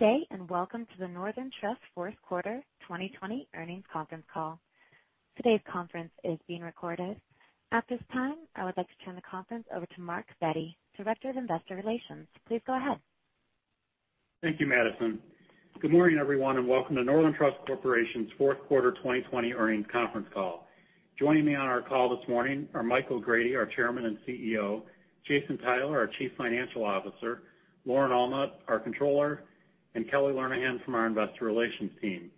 Good day and welcome to the Northern Trust Fourth Quarter 2020 Earnings Conference Call. Today's conference is being recorded. At this time, I would like to turn the conference over to Mark Bette, Director of Investor Relations. Please go ahead. Thank you, Madison. Good morning, everyone, and welcome to Northern Trust Corporation's Fourth Quarter 2020 Earnings Conference Call. Joining me on our call this morning are Michael O'Grady, our Chairman and CEO, Jason Tyler, our Chief Financial Officer, Lauren Allnutt, our Controller, and Kelly Lernahan from our Investor Relations team.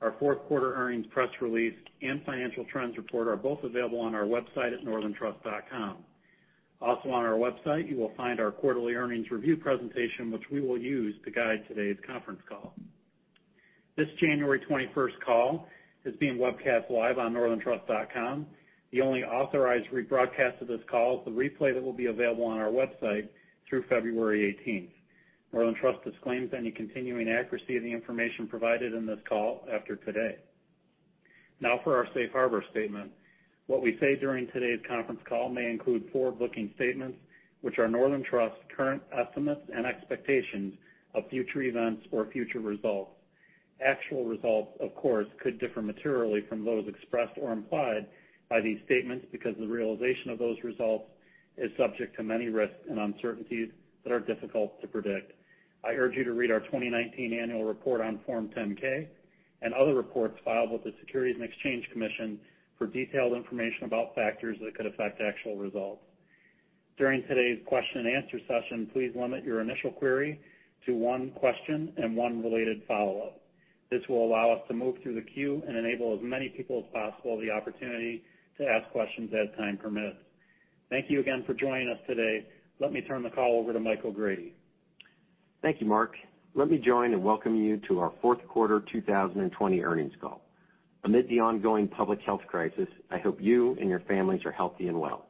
Our Fourth Quarter Earnings Press Release and Financial Trends Report are both available on our website at northerntrust.com. Also, on our website, you will find our Quarterly Earnings Review presentation, which we will use to guide today's conference call. This January 21st call is being webcast live on northerntrust.com. The only authorized rebroadcast of this call is the replay that will be available on our website through February 18th. Northern Trust disclaims any continuing accuracy of the information provided in this call after today. Now, for our Safe Harbor Statement, what we say during today's conference call may include forward-looking statements which are Northern Trust's current estimates and expectations of future events or future results. Actual results, of course, could differ materially from those expressed or implied by these statements because the realization of those results is subject to many risks and uncertainties that are difficult to predict. I urge you to read our 2019 Annual Report on Form 10-K and other reports filed with the Securities and Exchange Commission for detailed information about factors that could affect actual results. During today's question-and-answer session, please limit your initial query to one question and one related follow-up. This will allow us to move through the queue and enable as many people as possible the opportunity to ask questions as time permits. Thank you again for joining us today. Let me turn the call over to Michael O'Grady. Thank you, Mark. Let me join and welcome you to our Fourth Quarter 2020 Earnings Call. Amid the ongoing public health crisis, I hope you and your families are healthy and well.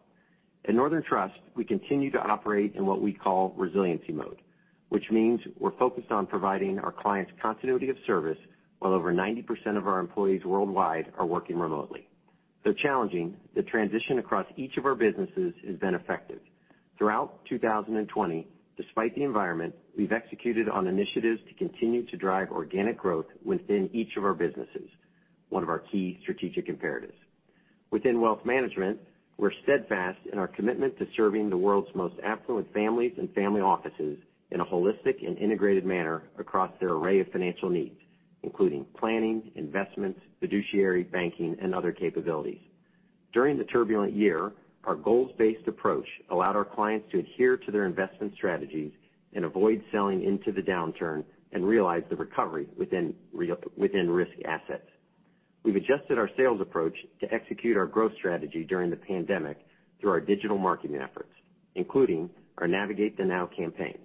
At Northern Trust, we continue to operate in what we call resiliency mode, which means we're focused on providing our clients continuity of service while over 90% of our employees worldwide are working remotely. Though challenging, the transition across each of our businesses has been effective. Throughout 2020, despite the environment, we've executed on initiatives to continue to drive organic growth within each of our businesses, one of our key strategic imperatives. Within Wealth Management, we're steadfast in our commitment to serving the world's most affluent families and family offices in a holistic and integrated manner across their array of financial needs, including planning, investments, fiduciary banking, and other capabilities. During the turbulent year, our goals-based approach allowed our clients to adhere to their investment strategies and avoid selling into the downturn and realize the recovery within risk assets. We've adjusted our sales approach to execute our growth strategy during the pandemic through our digital marketing efforts, including our Navigate the Now campaign.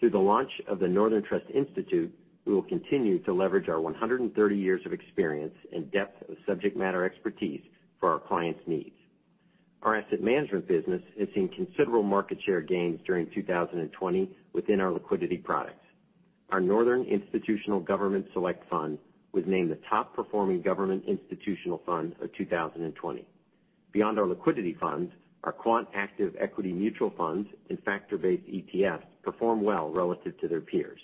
Through the launch of the Northern Trust Institute, we will continue to leverage our 130 years of experience and depth of subject matter expertise for our clients' needs. Our asset management business has seen considerable market share gains during 2020 within our liquidity products. Our Northern Institutional Government Select Fund was named the top-performing government institutional fund of 2020. Beyond our liquidity funds, our Quant Active Equity Mutual Funds and factor-based ETFs perform well relative to their peers.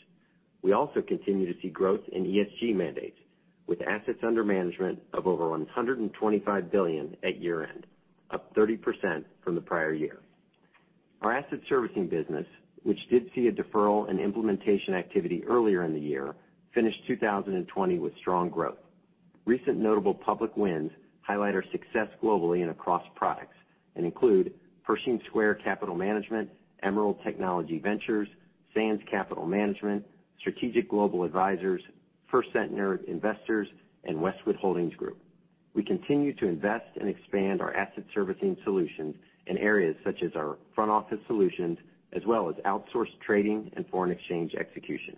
We also continue to see growth in ESG mandates, with assets under management of over $125 billion at year-end, up 30% from the prior year. Our asset servicing business, which did see a deferral in implementation activity earlier in the year, finished 2020 with strong growth. Recent notable public wins highlight our success globally and across products and include Pershing Square Capital Management, Emerald Technology Ventures, Sands Capital Management, Strategic Global Advisors, First Sentier Investors, and Westwood Holdings Group. We continue to invest and expand our asset servicing solutions in areas such as our front office solutions, as well as outsourced trading and foreign exchange execution.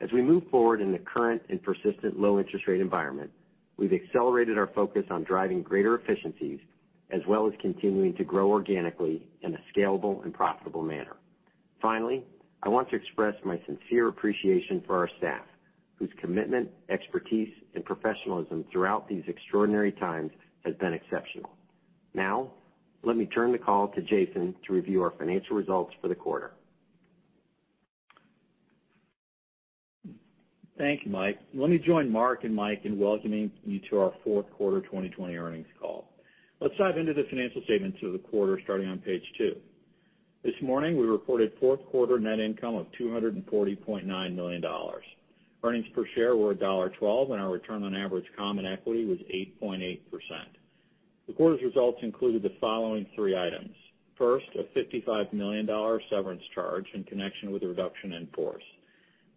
As we move forward in the current and persistent low-interest rate environment, we've accelerated our focus on driving greater efficiencies as well as continuing to grow organically in a scalable and profitable manner. Finally, I want to express my sincere appreciation for our staff, whose commitment, expertise, and professionalism throughout these extraordinary times has been exceptional. Now, let me turn the call to Jason to review our financial results for the quarter. Thank you, Mike. Let me join Mark and Mike in welcoming you to our Fourth Quarter 2020 Earnings Call. Let's dive into the financial statements of the quarter starting on page two. This morning, we reported fourth quarter net income of $240.9 million. Earnings per share were $1.12, and our return on average common equity was 8.8%. The quarter's results included the following three items. First, a $55 million severance charge in connection with a reduction in force.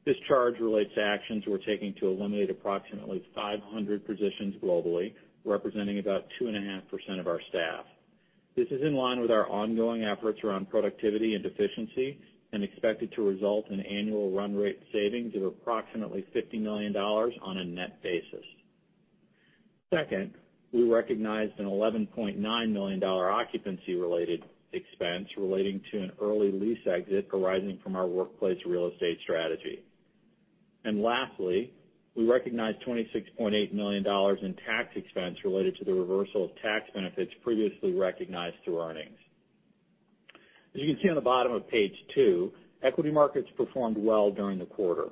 This charge relates to actions we're taking to eliminate approximately 500 positions globally, representing about 2.5% of our staff. This is in line with our ongoing efforts around productivity and efficiency and expected to result in annual run rate savings of approximately $50 million on a net basis. Second, we recognized an $11.9 million occupancy-related expense relating to an early lease exit arising from our workplace real estate strategy. And lastly, we recognized $26.8 million in tax expense related to the reversal of tax benefits previously recognized through earnings. As you can see on the bottom of page two, equity markets performed well during the quarter.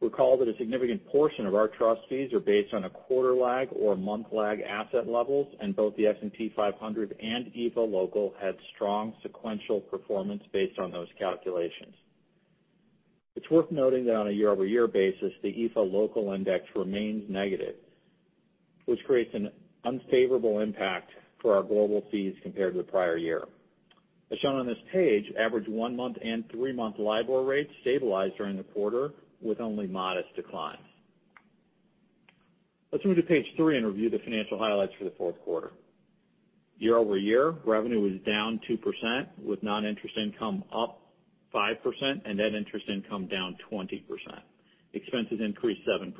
Recall that a significant portion of our trust fees are based on a quarter lag or a month lag asset levels, and both the S&P 500 and MSCI EAFE Index had strong sequential performance based on those calculations. It's worth noting that on a year-over-year basis, the MSCI EAFE Index remains negative, which creates an unfavorable impact for our global fees compared to the prior year. As shown on this page, average one-month and three-month LIBOR rates stabilized during the quarter with only modest declines. Let's move to page three and review the financial highlights for the fourth quarter. Year-over-year, revenue was down 2%, with non-interest income up 5% and net interest income down 20%. Expenses increased 7%.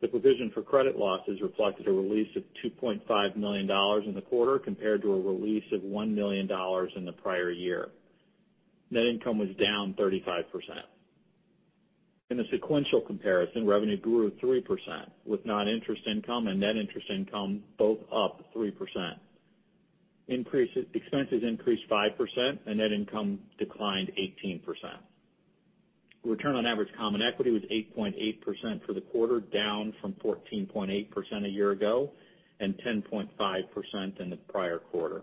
The provision for credit losses reflected a release of $2.5 million in the quarter compared to a release of $1 million in the prior year. Net income was down 35%. In the sequential comparison, revenue grew 3%, with non-interest income and net interest income both up 3%. Expenses increased 5% and net income declined 18%. Return on average common equity was 8.8% for the quarter, down from 14.8% a year ago and 10.5% in the prior quarter.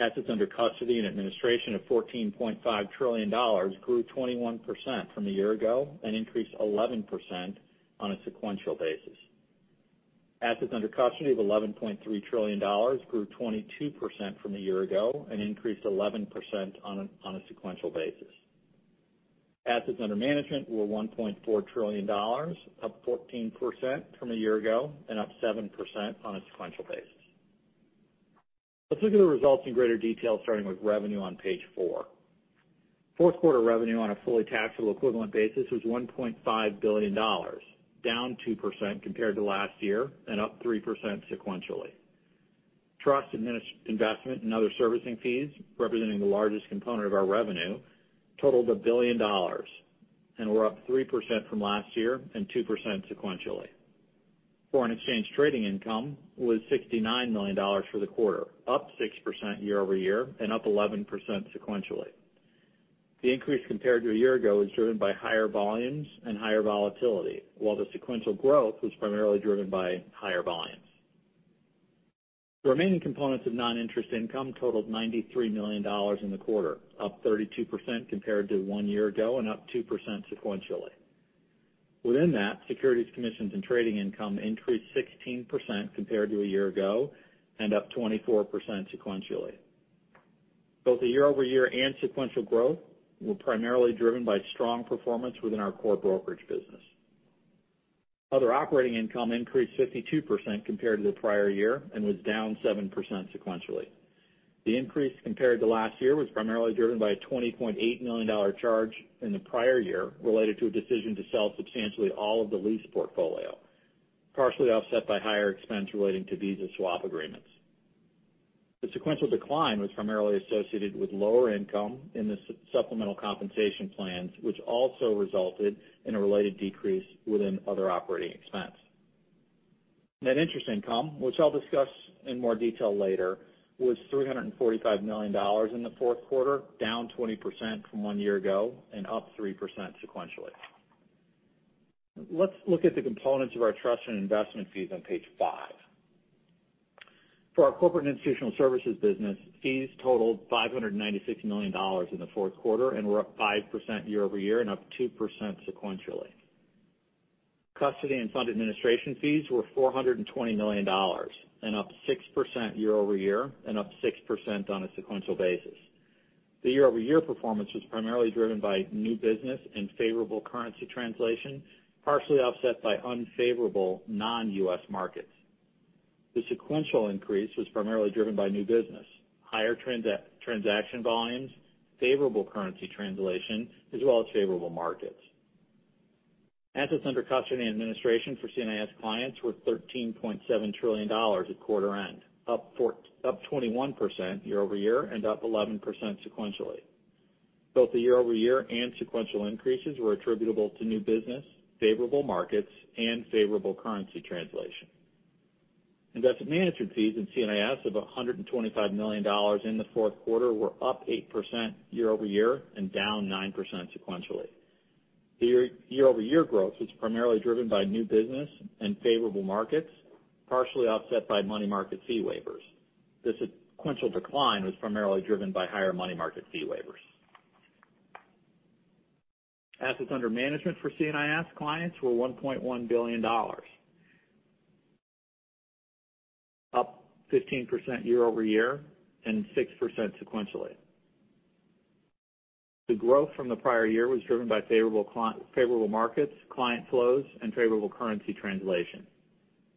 Assets under custody and administration of $14.5 trillion grew 21% from a year ago and increased 11% on a sequential basis. Assets under custody of $11.3 trillion grew 22% from a year ago and increased 11% on a sequential basis. Assets under management were $1.4 trillion, up 14% from a year ago and up 7% on a sequential basis. Let's look at the results in greater detail, starting with revenue on page four. Fourth quarter revenue on a fully taxable equivalent basis was $1.5 billion, down 2% compared to last year and up 3% sequentially. Trust investment and other servicing fees, representing the largest component of our revenue, totaled $1 billion and were up 3% from last year and 2% sequentially. Foreign exchange trading income was $69 million for the quarter, up 6% year-over-year and up 11% sequentially. The increase compared to a year ago was driven by higher volumes and higher volatility, while the sequential growth was primarily driven by higher volumes. The remaining components of non-interest income totaled $93 million in the quarter, up 32% compared to one year ago and up 2% sequentially. Within that, securities commissions and trading income increased 16% compared to a year ago and up 24% sequentially. Both the year-over-year and sequential growth were primarily driven by strong performance within our core brokerage business. Other operating income increased 52% compared to the prior year and was down 7% sequentially. The increase compared to last year was primarily driven by a $20.8 million charge in the prior year related to a decision to sell substantially all of the lease portfolio, partially offset by higher expense relating to visa swap agreements. The sequential decline was primarily associated with lower income in the supplemental compensation plans, which also resulted in a related decrease within other operating expense. Net interest income, which I'll discuss in more detail later, was $345 million in the fourth quarter, down 20% from one year ago and up 3% sequentially. Let's look at the components of our trust and investment fees on page five. For our corporate and institutional services business, fees totaled $596 million in the fourth quarter and were up 5% year-over-year and up 2% sequentially. Custody and fund administration fees were $420 million and up 6% year-over-year and up 6% on a sequential basis. The year-over-year performance was primarily driven by new business and favorable currency translation, partially offset by unfavorable non-U.S. markets. The sequential increase was primarily driven by new business, higher transaction volumes, favorable currency translation, as well as favorable markets. Assets under custody and administration for C&IS clients were $13.7 trillion at quarter end, up 21% year-over-year and up 11% sequentially. Both the year-over-year and sequential increases were attributable to new business, favorable markets, and favorable currency translation. Investment management fees in C&IS of $125 million in the fourth quarter were up 8% year-over-year and down 9% sequentially. The year-over-year growth was primarily driven by new business and favorable markets, partially offset by money market fee waivers. The sequential decline was primarily driven by higher money market fee waivers. Assets under management for C&IS clients were $1.1 billion, up 15% year-over-year and 6% sequentially. The growth from the prior year was driven by favorable markets, client flows, and favorable currency translation.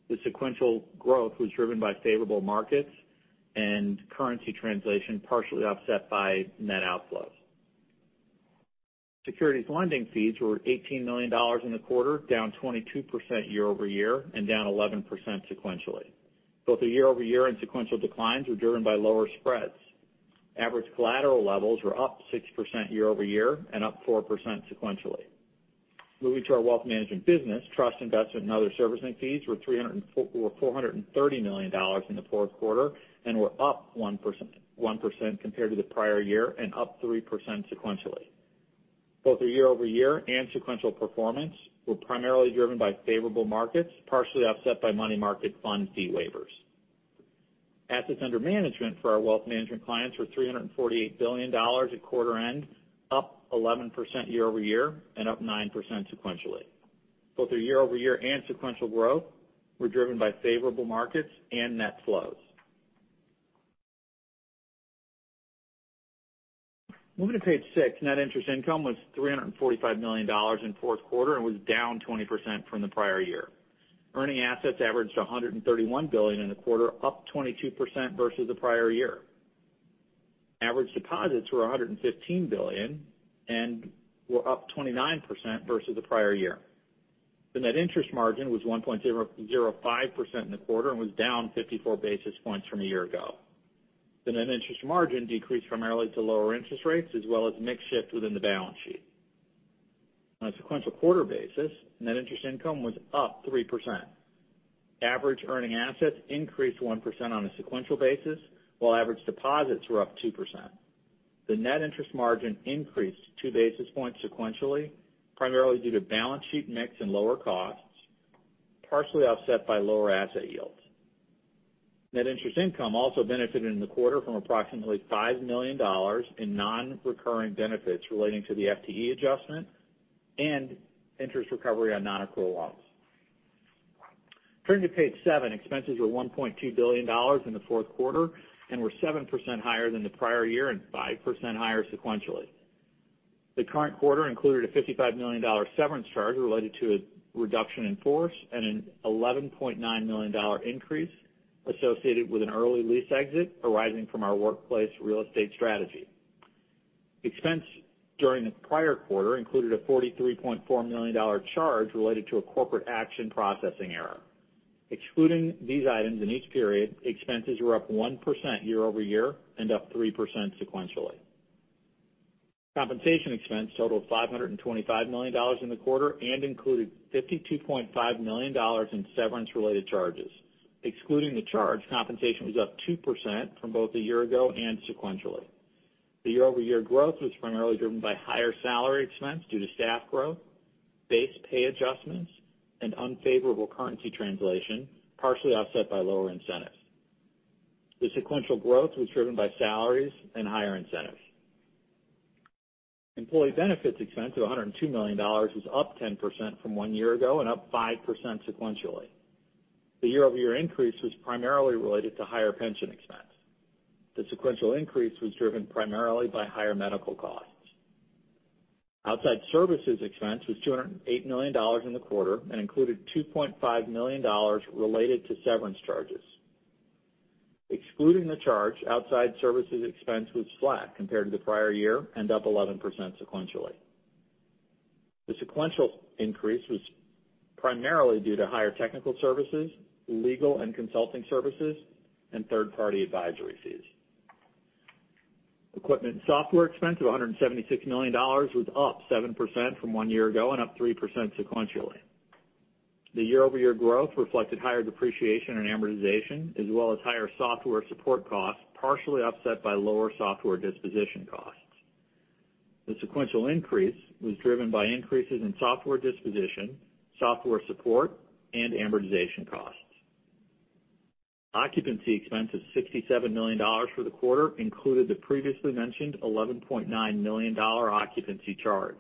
The sequential growth was driven by favorable markets and currency translation, partially offset by net outflows. Securities lending fees were $18 million in the quarter, down 22% year-over-year and down 11% sequentially. Both the year-over-year and sequential declines were driven by lower spreads. Average collateral levels were up 6% year-over-year and up 4% sequentially. Moving to our wealth management business, trust investment and other servicing fees were $430 million in the fourth quarter and were up 1% compared to the prior year and up 3% sequentially. Both the year-over-year and sequential performance were primarily driven by favorable markets, partially offset by money market fund fee waivers. Assets under management for our wealth management clients were $348 billion at quarter end, up 11% year-over-year and up 9% sequentially. Both the year-over-year and sequential growth were driven by favorable markets and net flows. Moving to page six, net interest income was $345 million in fourth quarter and was down 20% from the prior year. Earning assets averaged $131 billion in the quarter, up 22% versus the prior year. Average deposits were $115 billion and were up 29% versus the prior year. The net interest margin was 1.05% in the quarter and was down 54 basis points from a year ago. The net interest margin decreased primarily to lower interest rates, as well as mixed shift within the balance sheet. On a sequential quarter basis, net interest income was up 3%. Average earning assets increased 1% on a sequential basis, while average deposits were up 2%. The net interest margin increased 2 basis points sequentially, primarily due to balance sheet mix and lower costs, partially offset by lower asset yields. Net interest income also benefited in the quarter from approximately $5 million in non-recurring benefits relating to the FTE adjustment and interest recovery on non-accrual loans. Turning to page seven, expenses were $1.2 billion in the fourth quarter and were 7% higher than the prior year and 5% higher sequentially. The current quarter included a $55 million severance charge related to a reduction in force and an $11.9 million increase associated with an early lease exit arising from our workplace real estate strategy. Expense during the prior quarter included a $43.4 million charge related to a corporate action processing error. Excluding these items in each period, expenses were up 1% year-over-year and up 3% sequentially. Compensation expense totaled $525 million in the quarter and included $52.5 million in severance-related charges. Excluding the charge, compensation was up 2% from both a year ago and sequentially. The year-over-year growth was primarily driven by higher salary expense due to staff growth, base pay adjustments, and unfavorable currency translation, partially offset by lower incentives. The sequential growth was driven by salaries and higher incentives. Employee benefits expense of $102 million was up 10% from one year ago and up 5% sequentially. The year-over-year increase was primarily related to higher pension expense. The sequential increase was driven primarily by higher medical costs. Outside services expense was $208 million in the quarter and included $2.5 million related to severance charges. Excluding the charge, outside services expense was flat compared to the prior year and up 11% sequentially. The sequential increase was primarily due to higher technical services, legal and consulting services, and third-party advisory fees. Equipment and software expense of $176 million was up 7% from one year ago and up 3% sequentially. The year-over-year growth reflected higher depreciation and amortization, as well as higher software support costs, partially offset by lower software disposition costs. The sequential increase was driven by increases in software disposition, software support, and amortization costs. Occupancy expense of $67 million for the quarter included the previously mentioned $11.9 million occupancy charge.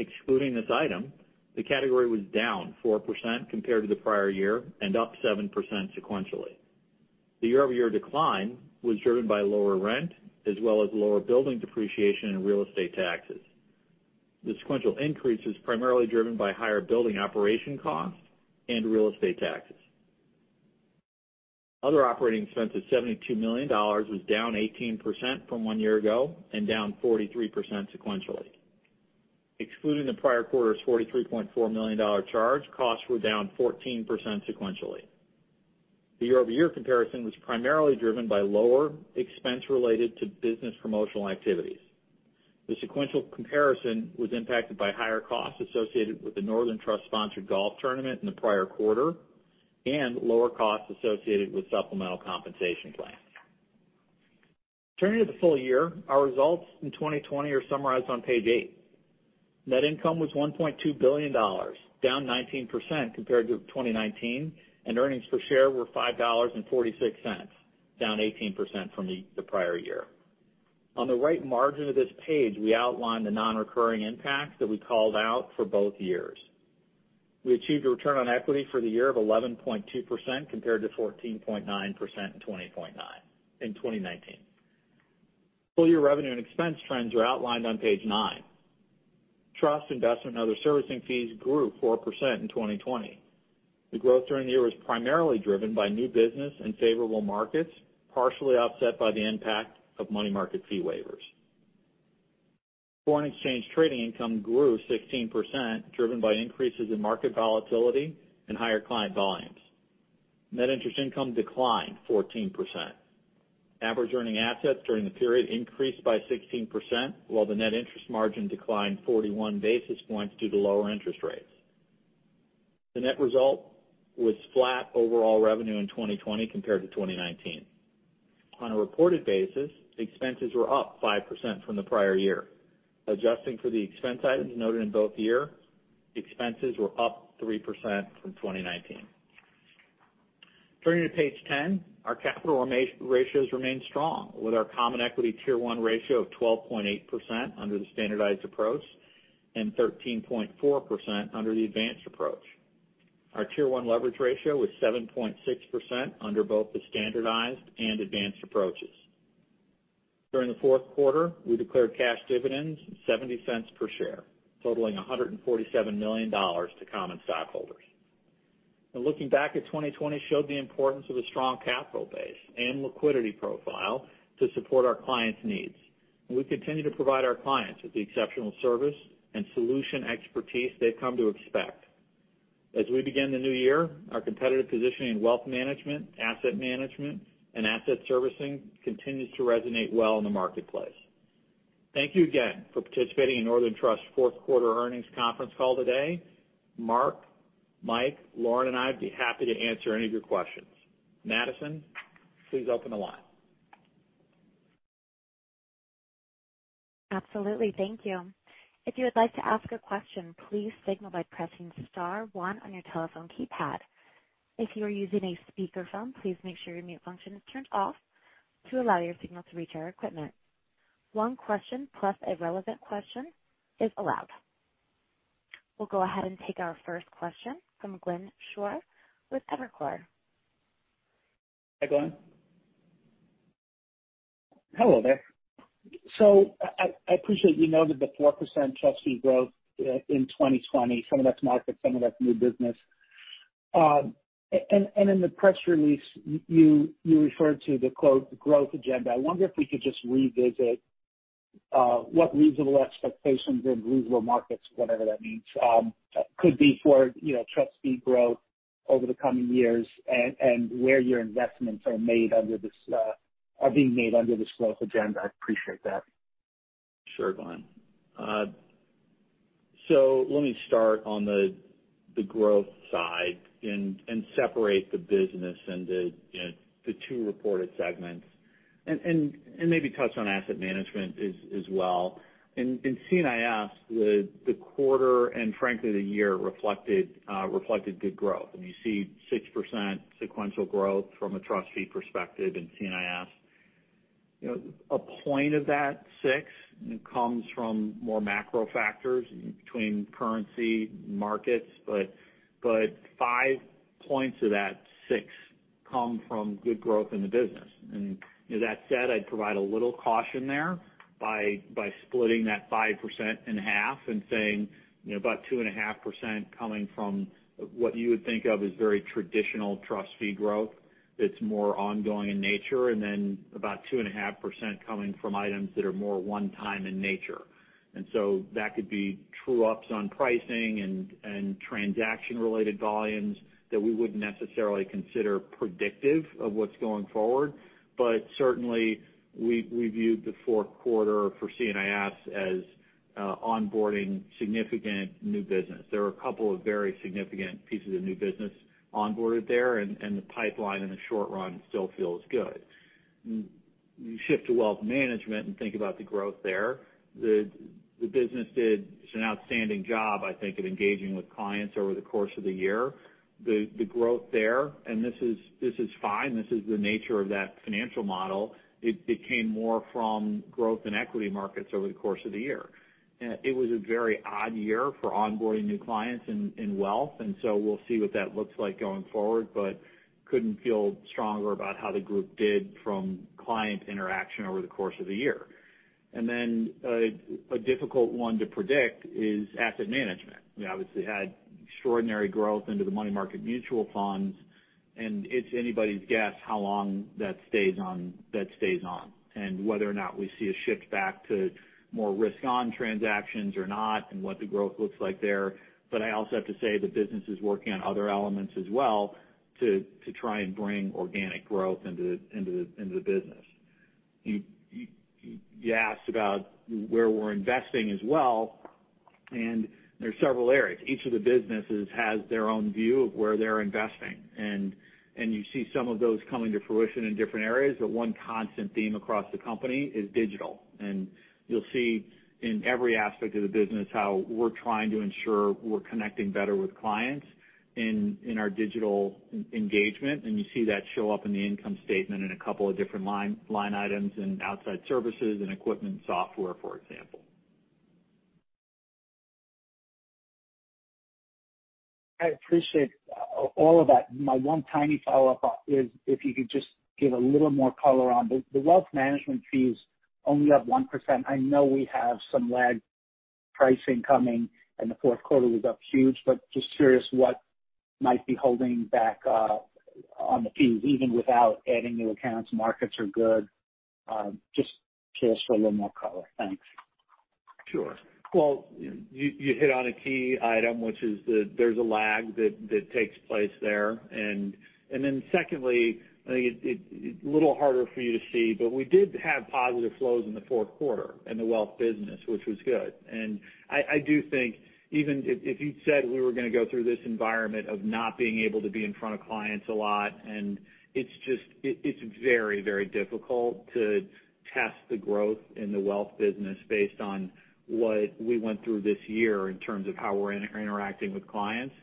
Excluding this item, the category was down 4% compared to the prior year and up 7% sequentially. The year-over-year decline was driven by lower rent, as well as lower building depreciation and real estate taxes. The sequential increase was primarily driven by higher building operation costs and real estate taxes. Other operating expense of $72 million was down 18% from one year ago and down 43% sequentially. Excluding the prior quarter's $43.4 million charge, costs were down 14% sequentially. The year-over-year comparison was primarily driven by lower expense related to business promotional activities. The sequential comparison was impacted by higher costs associated with the Northern Trust-sponsored golf tournament in the prior quarter and lower costs associated with supplemental compensation plans. Turning to the full year, our results in 2020 are summarized on page eight. Net income was $1.2 billion, down 19% compared to 2019, and earnings per share were $5.46, down 18% from the prior year. On the right margin of this page, we outline the non-recurring impacts that we called out for both years. We achieved a return on equity for the year of 11.2% compared to 14.9% in 2019. Full year revenue and expense trends are outlined on page nine. Trust investment and other servicing fees grew 4% in 2020. The growth during the year was primarily driven by new business and favorable markets, partially offset by the impact of money market fee waivers. Foreign exchange trading income grew 16%, driven by increases in market volatility and higher client volumes. Net interest income declined 14%. Average earning assets during the period increased by 16%, while the net interest margin declined 41 basis points due to lower interest rates. The net result was flat overall revenue in 2020 compared to 2019. On a reported basis, expenses were up 5% from the prior year. Adjusting for the expense items noted in both years, expenses were up 3% from 2019. Turning to page 10, our capital ratios remained strong, with our Common Equity Tier 1 ratio of 12.8% under the standardized approach and 13.4% under the advanced approach. Our Tier 1 Leverage Ratio was 7.6% under both the standardized and advanced approaches. During the fourth quarter, we declared cash dividends, $0.70 per share, totaling $147 million to common stockholders. Looking back at 2020 showed the importance of a strong capital base and liquidity profile to support our clients' needs. We continue to provide our clients with the exceptional service and solution expertise they've come to expect. As we begin the new year, our competitive position in wealth management, asset management, and asset servicing continues to resonate well in the marketplace. Thank you again for participating in Northern Trust's fourth quarter earnings conference call today. Mark, Mike, Lauren, and I would be happy to answer any of your questions. Madison, please open the line. Absolutely. Thank you. If you would like to ask a question, please signal by pressing star one on your telephone keypad. If you are using a speakerphone, please make sure your mute function is turned off to allow your signal to reach our equipment. One question plus a relevant question is allowed. We'll go ahead and take our first question from Glenn Schorr with Evercore. Hi, Glenn. Hello, there. So I appreciate you noted the 4% trustee growth in 2020, some of that's markets, some of that's new business. And in the press release, you referred to the "growth agenda." I wonder if we could just revisit what reasonable expectations and reasonable markets, whatever that means, could be for trustee growth over the coming years and where your investments are being made under this growth agenda. I appreciate that. Sure, Glenn. So let me start on the growth side and separate the business into the two reported segments and maybe touch on asset management as well. In C&IS, the quarter and frankly the year reflected good growth. And you see 6% sequential growth from a trustee perspective in C&IS. A point of that 6 comes from more macro factors between currency markets, but 5 points of that 6 come from good growth in the business. And that said, I'd provide a little caution there by splitting that 5% in half and saying about 2.5% coming from what you would think of as very traditional trustee growth that's more ongoing in nature, and then about 2.5% coming from items that are more one-time in nature. And so that could be true-ups on pricing and transaction-related volumes that we wouldn't necessarily consider predictive of what's going forward. But certainly, we viewed the fourth quarter for C&IS as onboarding significant new business. There are a couple of very significant pieces of new business onboarded there, and the pipeline in the short run still feels good. You shift to wealth management and think about the growth there. The business did an outstanding job, I think, in engaging with clients over the course of the year. The growth there, and this is fine. This is the nature of that financial model. It came more from growth in equity markets over the course of the year. It was a very odd year for onboarding new clients in wealth, and so we'll see what that looks like going forward, but couldn't feel stronger about how the group did from client interaction over the course of the year. And then a difficult one to predict is asset management. We obviously had extraordinary growth into the money market mutual funds, and it's anybody's guess how long that stays on and whether or not we see a shift back to more risk-on transactions or not and what the growth looks like there, but I also have to say the business is working on other elements as well to try and bring organic growth into the business. You asked about where we're investing as well, and there are several areas. Each of the businesses has their own view of where they're investing, and you see some of those coming to fruition in different areas, but one constant theme across the company is digital. And you'll see in every aspect of the business how we're trying to ensure we're connecting better with clients in our digital engagement, and you see that show up in the income statement in a couple of different line items and outside services and equipment and software, for example. I appreciate all of that. My one tiny follow-up is if you could just give a little more color on the wealth management fees only up 1%. I know we have some lagged pricing coming in the fourth quarter was up huge, but just curious what might be holding back on the fees even without adding new accounts. Markets are good. Just curious for a little more color. Thanks. Sure. Well, you hit on a key item, which is that there's a lag that takes place there. And then secondly, I think it's a little harder for you to see, but we did have positive flows in the fourth quarter in the wealth business, which was good. And I do think even if you'd said we were going to go through this environment of not being able to be in front of clients a lot, and it's very, very difficult to test the growth in the wealth business based on what we went through this year in terms of how we're interacting with clients.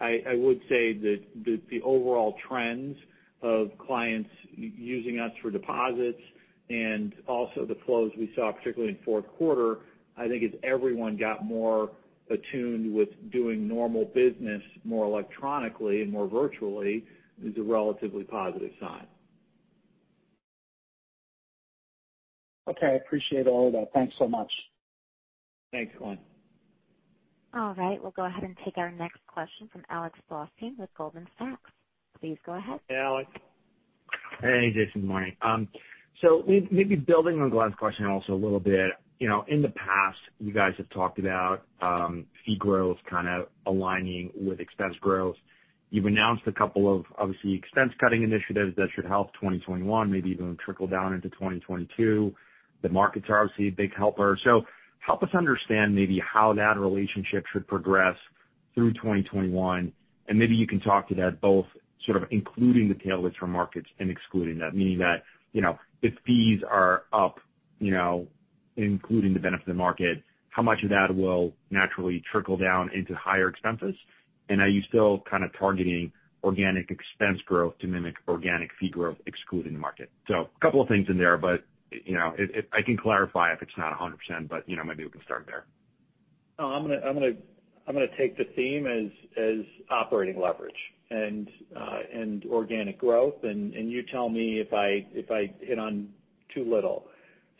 I would say that the overall trends of clients using us for deposits and also the flows we saw, particularly in fourth quarter, I think as everyone got more attuned with doing normal business more electronically and more virtually is a relatively positive sign. Okay. I appreciate all of that. Thanks so much. Thanks, Glenn. All right. We'll go ahead and take our next question from Alex Blostein with Goldman Sachs. Please go ahead. Hey, Alex. Hey, Jason. Good morning. So maybe building on Glenn's question also a little bit. In the past, you guys have talked about fee growth kind of aligning with expense growth. You've announced a couple of, obviously, expense-cutting initiatives that should help 2021, maybe even trickle down into 2022. The markets are obviously a big helper. So help us understand maybe how that relationship should progress through 2021. And maybe you can talk to that both sort of including the tailwinds from markets and excluding that, meaning that if fees are up, including the benefit of the market, how much of that will naturally trickle down into higher expenses? And are you still kind of targeting organic expense growth to mimic organic fee growth, excluding the market? So a couple of things in there, but I can clarify if it's not 100%, but maybe we can start there. Oh, I'm going to take the theme as operating leverage and organic growth, and you tell me if I hit on too little.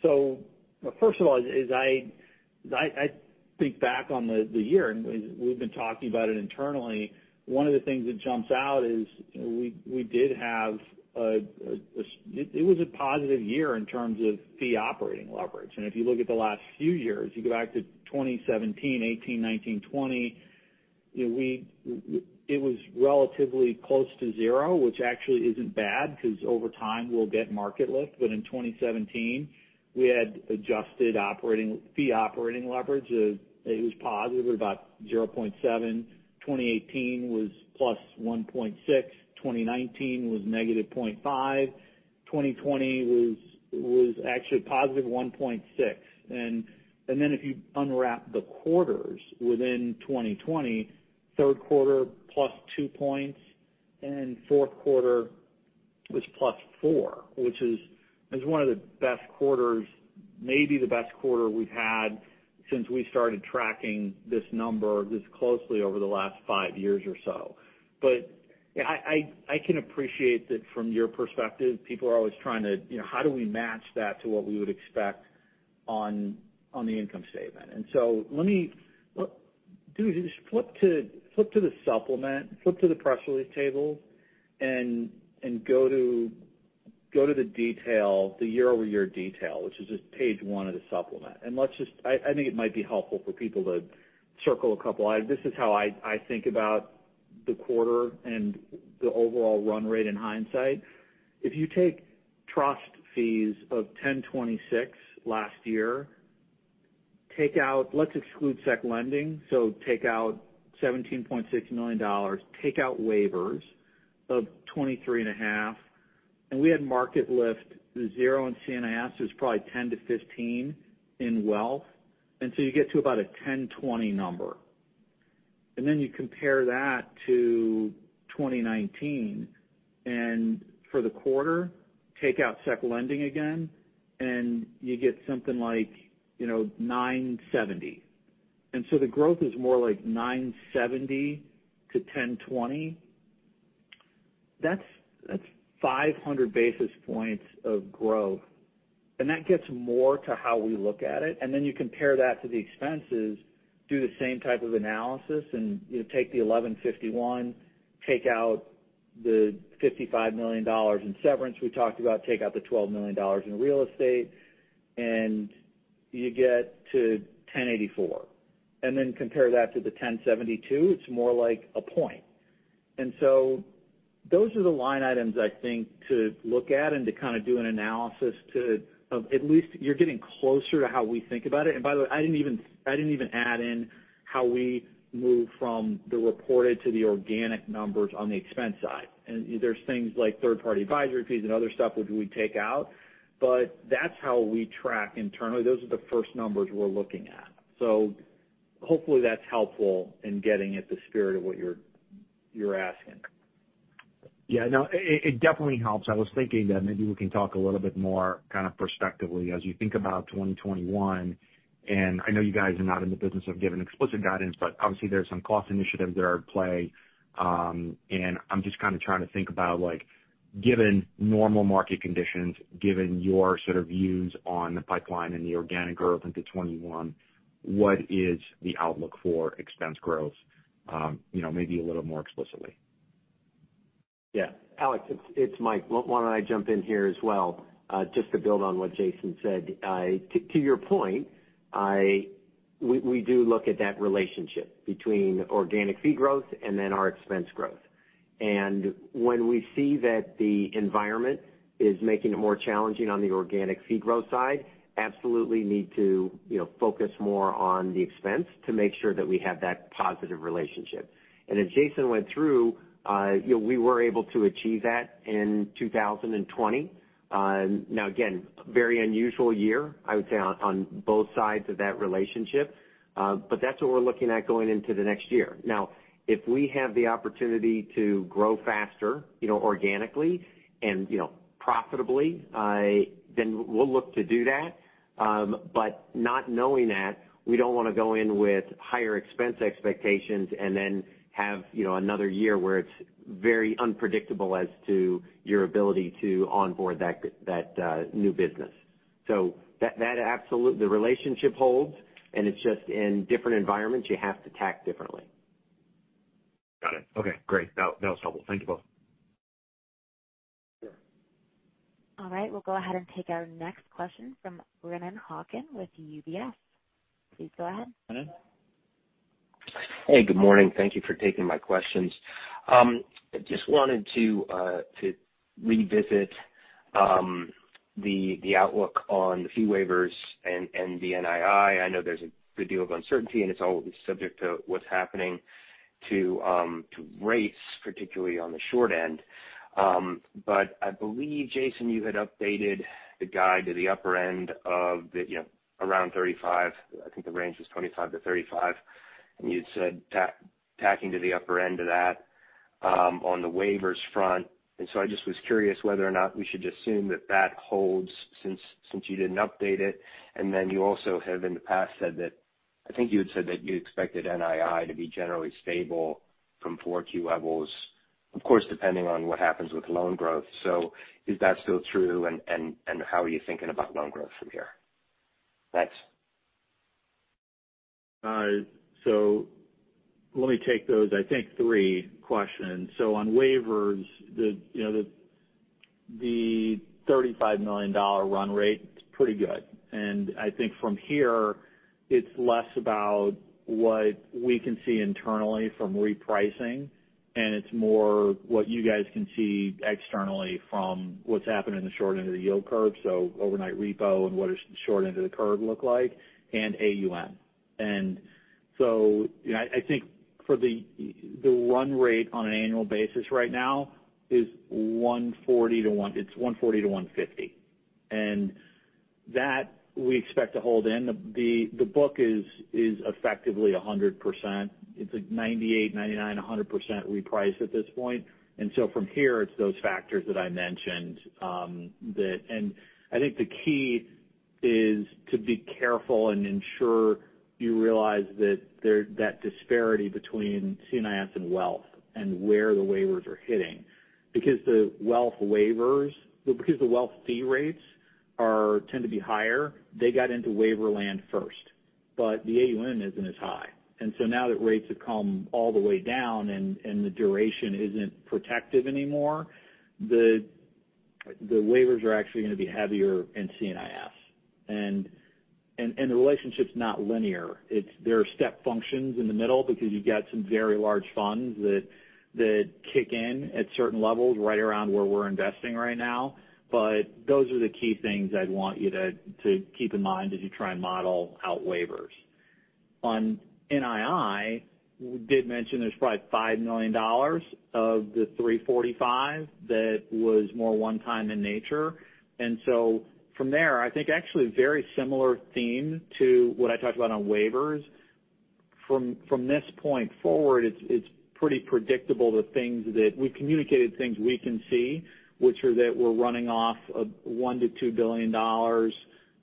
So first of all, as I think back on the year and we've been talking about it internally, one of the things that jumps out is we did have. It was a positive year in terms of fee operating leverage. And if you look at the last few years, you go back to 2017, 2018, 2019, 2020, it was relatively close to zero, which actually isn't bad because over time we'll get market lift. But in 2017, we had adjusted fee operating leverage. It was positive at about 0.7. 2018 was plus 1.6. 2019 was negative 0.5. 2020 was actually positive 1.6. Then if you unwrap the quarters within 2020, third quarter plus 2 points and fourth quarter was plus 4, which is one of the best quarters, maybe the best quarter we've had since we started tracking this number this closely over the last five years or so. I can appreciate that from your perspective, people are always trying to, how do we match that to what we would expect on the income statement. Let me just flip to the supplement, flip to the press release tables, and go to the detail, the year-over-year detail, which is just page one of the supplement. I think it might be helpful for people to circle a couple of items. This is how I think about the quarter and the overall run rate in hindsight. If you take trust fees of 1,026 last year, let's exclude SEC lending. So, take out $17.6 million, take out waivers of $23.5 million. We had market lift zero in C&IS. It was probably 10 to 15 in wealth. And so you get to about a 1,020 number. And then you compare that to 2019. And for the quarter, take out securities lending again, and you get something like 970. And so the growth is more like 970 to 1,020. That's 500 basis points of growth. And that gets more to how we look at it. And then you compare that to the expenses, do the same type of analysis, and take the 1,151, take out the $55 million in severance we talked about, take out the $12 million in real estate, and you get to 1,084. And then compare that to the 1,072. It's more like a point. And so those are the line items, I think, to look at and to kind of do an analysis to at least you're getting closer to how we think about it. And by the way, I didn't even add in how we move from the reported to the organic numbers on the expense side. And there's things like third-party advisory fees and other stuff we take out, but that's how we track internally. Those are the first numbers we're looking at. So hopefully that's helpful in getting at the spirit of what you're asking. Yeah. No, it definitely helps. I was thinking that maybe we can talk a little bit more kind of perspectively as you think about 2021. And I know you guys are not in the business of giving explicit guidance, but obviously there are some cost initiatives that are at play. And I'm just kind of trying to think about, given normal market conditions, given your sort of views on the pipeline and the organic growth into 2021, what is the outlook for expense growth, maybe a little more explicitly? Yeah. Alex, it's Mike. Why don't I jump in here as well? Just to build on what Jason said, to your point, we do look at that relationship between organic fee growth and then our expense growth. And when we see that the environment is making it more challenging on the organic fee growth side, absolutely need to focus more on the expense to make sure that we have that positive relationship. And as Jason went through, we were able to achieve that in 2020. Now, again, very unusual year, I would say, on both sides of that relationship, but that's what we're looking at going into the next year. Now, if we have the opportunity to grow faster organically and profitably, then we'll look to do that. But not knowing that, we don't want to go in with higher expense expectations and then have another year where it's very unpredictable as to your ability to onboard that new business. So the relationship holds, and it's just in different environments, you have to tack differently. Got it. Okay. Great. That was helpful. Thank you both. Sure. All right. We'll go ahead and take our next question from Brennan Hawken with UBS. Please go ahead. Brennan. Hey, good morning. Thank you for taking my questions. I just wanted to revisit the outlook on the fee waivers and the NII. I know there's a good deal of uncertainty, and it's always subject to what's happening to rates, particularly on the short end. But I believe, Jason, you had updated the guide to the upper end of around 35. I think the range was 25 to 35. And you'd said tracking to the upper end of that on the waivers front. And so I just was curious whether or not we should just assume that that holds since you didn't update it. And then you also have, in the past, said that I think you had said that you expected NII to be generally stable from 4Q levels, of course, depending on what happens with loan growth. So is that still true? How are you thinking about loan growth from here? Thanks. So let me take those, I think, three questions. So on waivers, the $35 million run rate is pretty good. And I think from here, it's less about what we can see internally from repricing, and it's more what you guys can see externally from what's happened in the short end of the yield curve, so overnight repo and what does the short end of the curve look like, and AUM. And so I think for the run rate on an annual basis right now is 140-150. And that we expect to hold in. The book is effectively 100%. It's a 98%-100% reprice at this point. And so from here, it's those factors that I mentioned. And I think the key is to be careful and ensure you realize that that disparity between C&IS and wealth and where the waivers are hitting. Because the wealth waivers, because the wealth fee rates tend to be higher, they got into waiver land first. But the AUM isn't as high. And so now that rates have come all the way down and the duration isn't protective anymore, the waivers are actually going to be heavier in C&IS. And the relationship's not linear. There are step functions in the middle because you've got some very large funds that kick in at certain levels right around where we're investing right now. But those are the key things I'd want you to keep in mind as you try and model out waivers. On NII, we did mention there's probably $5 million of the 345 that was more one-time in nature. And so from there, I think actually a very similar theme to what I talked about on waivers. From this point forward, it's pretty predictable that we've communicated things we can see, which are that we're running off of $1-$2 billion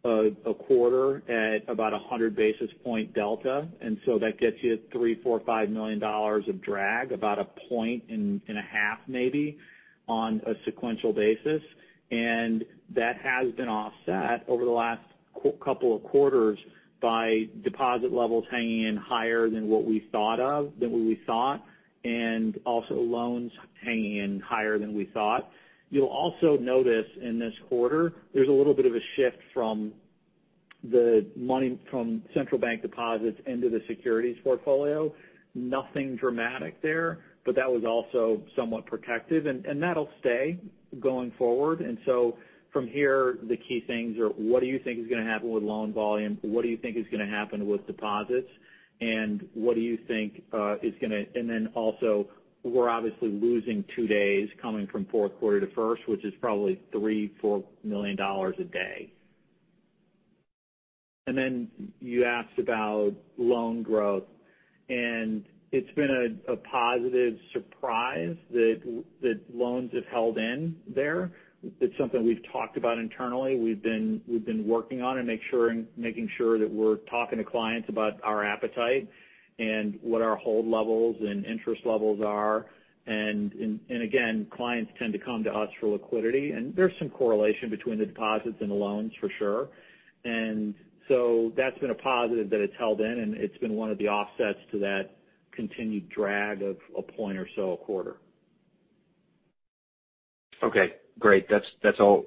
a quarter at about 100 basis point delta. And so that gets you at $3-$5 million of drag, about a point and a half maybe on a sequential basis. And that has been offset over the last couple of quarters by deposit levels hanging in higher than what we thought, and also loans hanging in higher than we thought. You'll also notice in this quarter, there's a little bit of a shift from the money from central bank deposits into the securities portfolio. Nothing dramatic there, but that was also somewhat protective. And that'll stay going forward. And so from here, the key things are what do you think is going to happen with loan volume? What do you think is going to happen with deposits? And what do you think is going to? And then also, we're obviously losing two days coming from fourth quarter to first, which is probably $3-4 million a day. And then you asked about loan growth. And it's been a positive surprise that loans have held in there. It's something we've talked about internally. We've been working on it and making sure that we're talking to clients about our appetite and what our hold levels and interest levels are. And again, clients tend to come to us for liquidity. And there's some correlation between the deposits and the loans, for sure. And so that's been a positive that it's held in, and it's been one of the offsets to that continued drag of a point or so a quarter. Okay. Great. That's all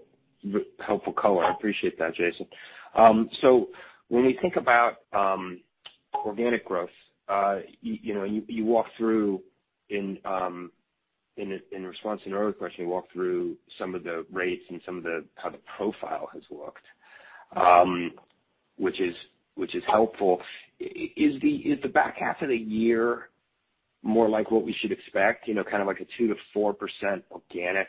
helpful color. I appreciate that, Jason. So when we think about organic growth, you walk through in response to an earlier question, you walk through some of the rates and some of how the profile has looked, which is helpful. Is the back half of the year more like what we should expect, kind of like a 2%-4% organic?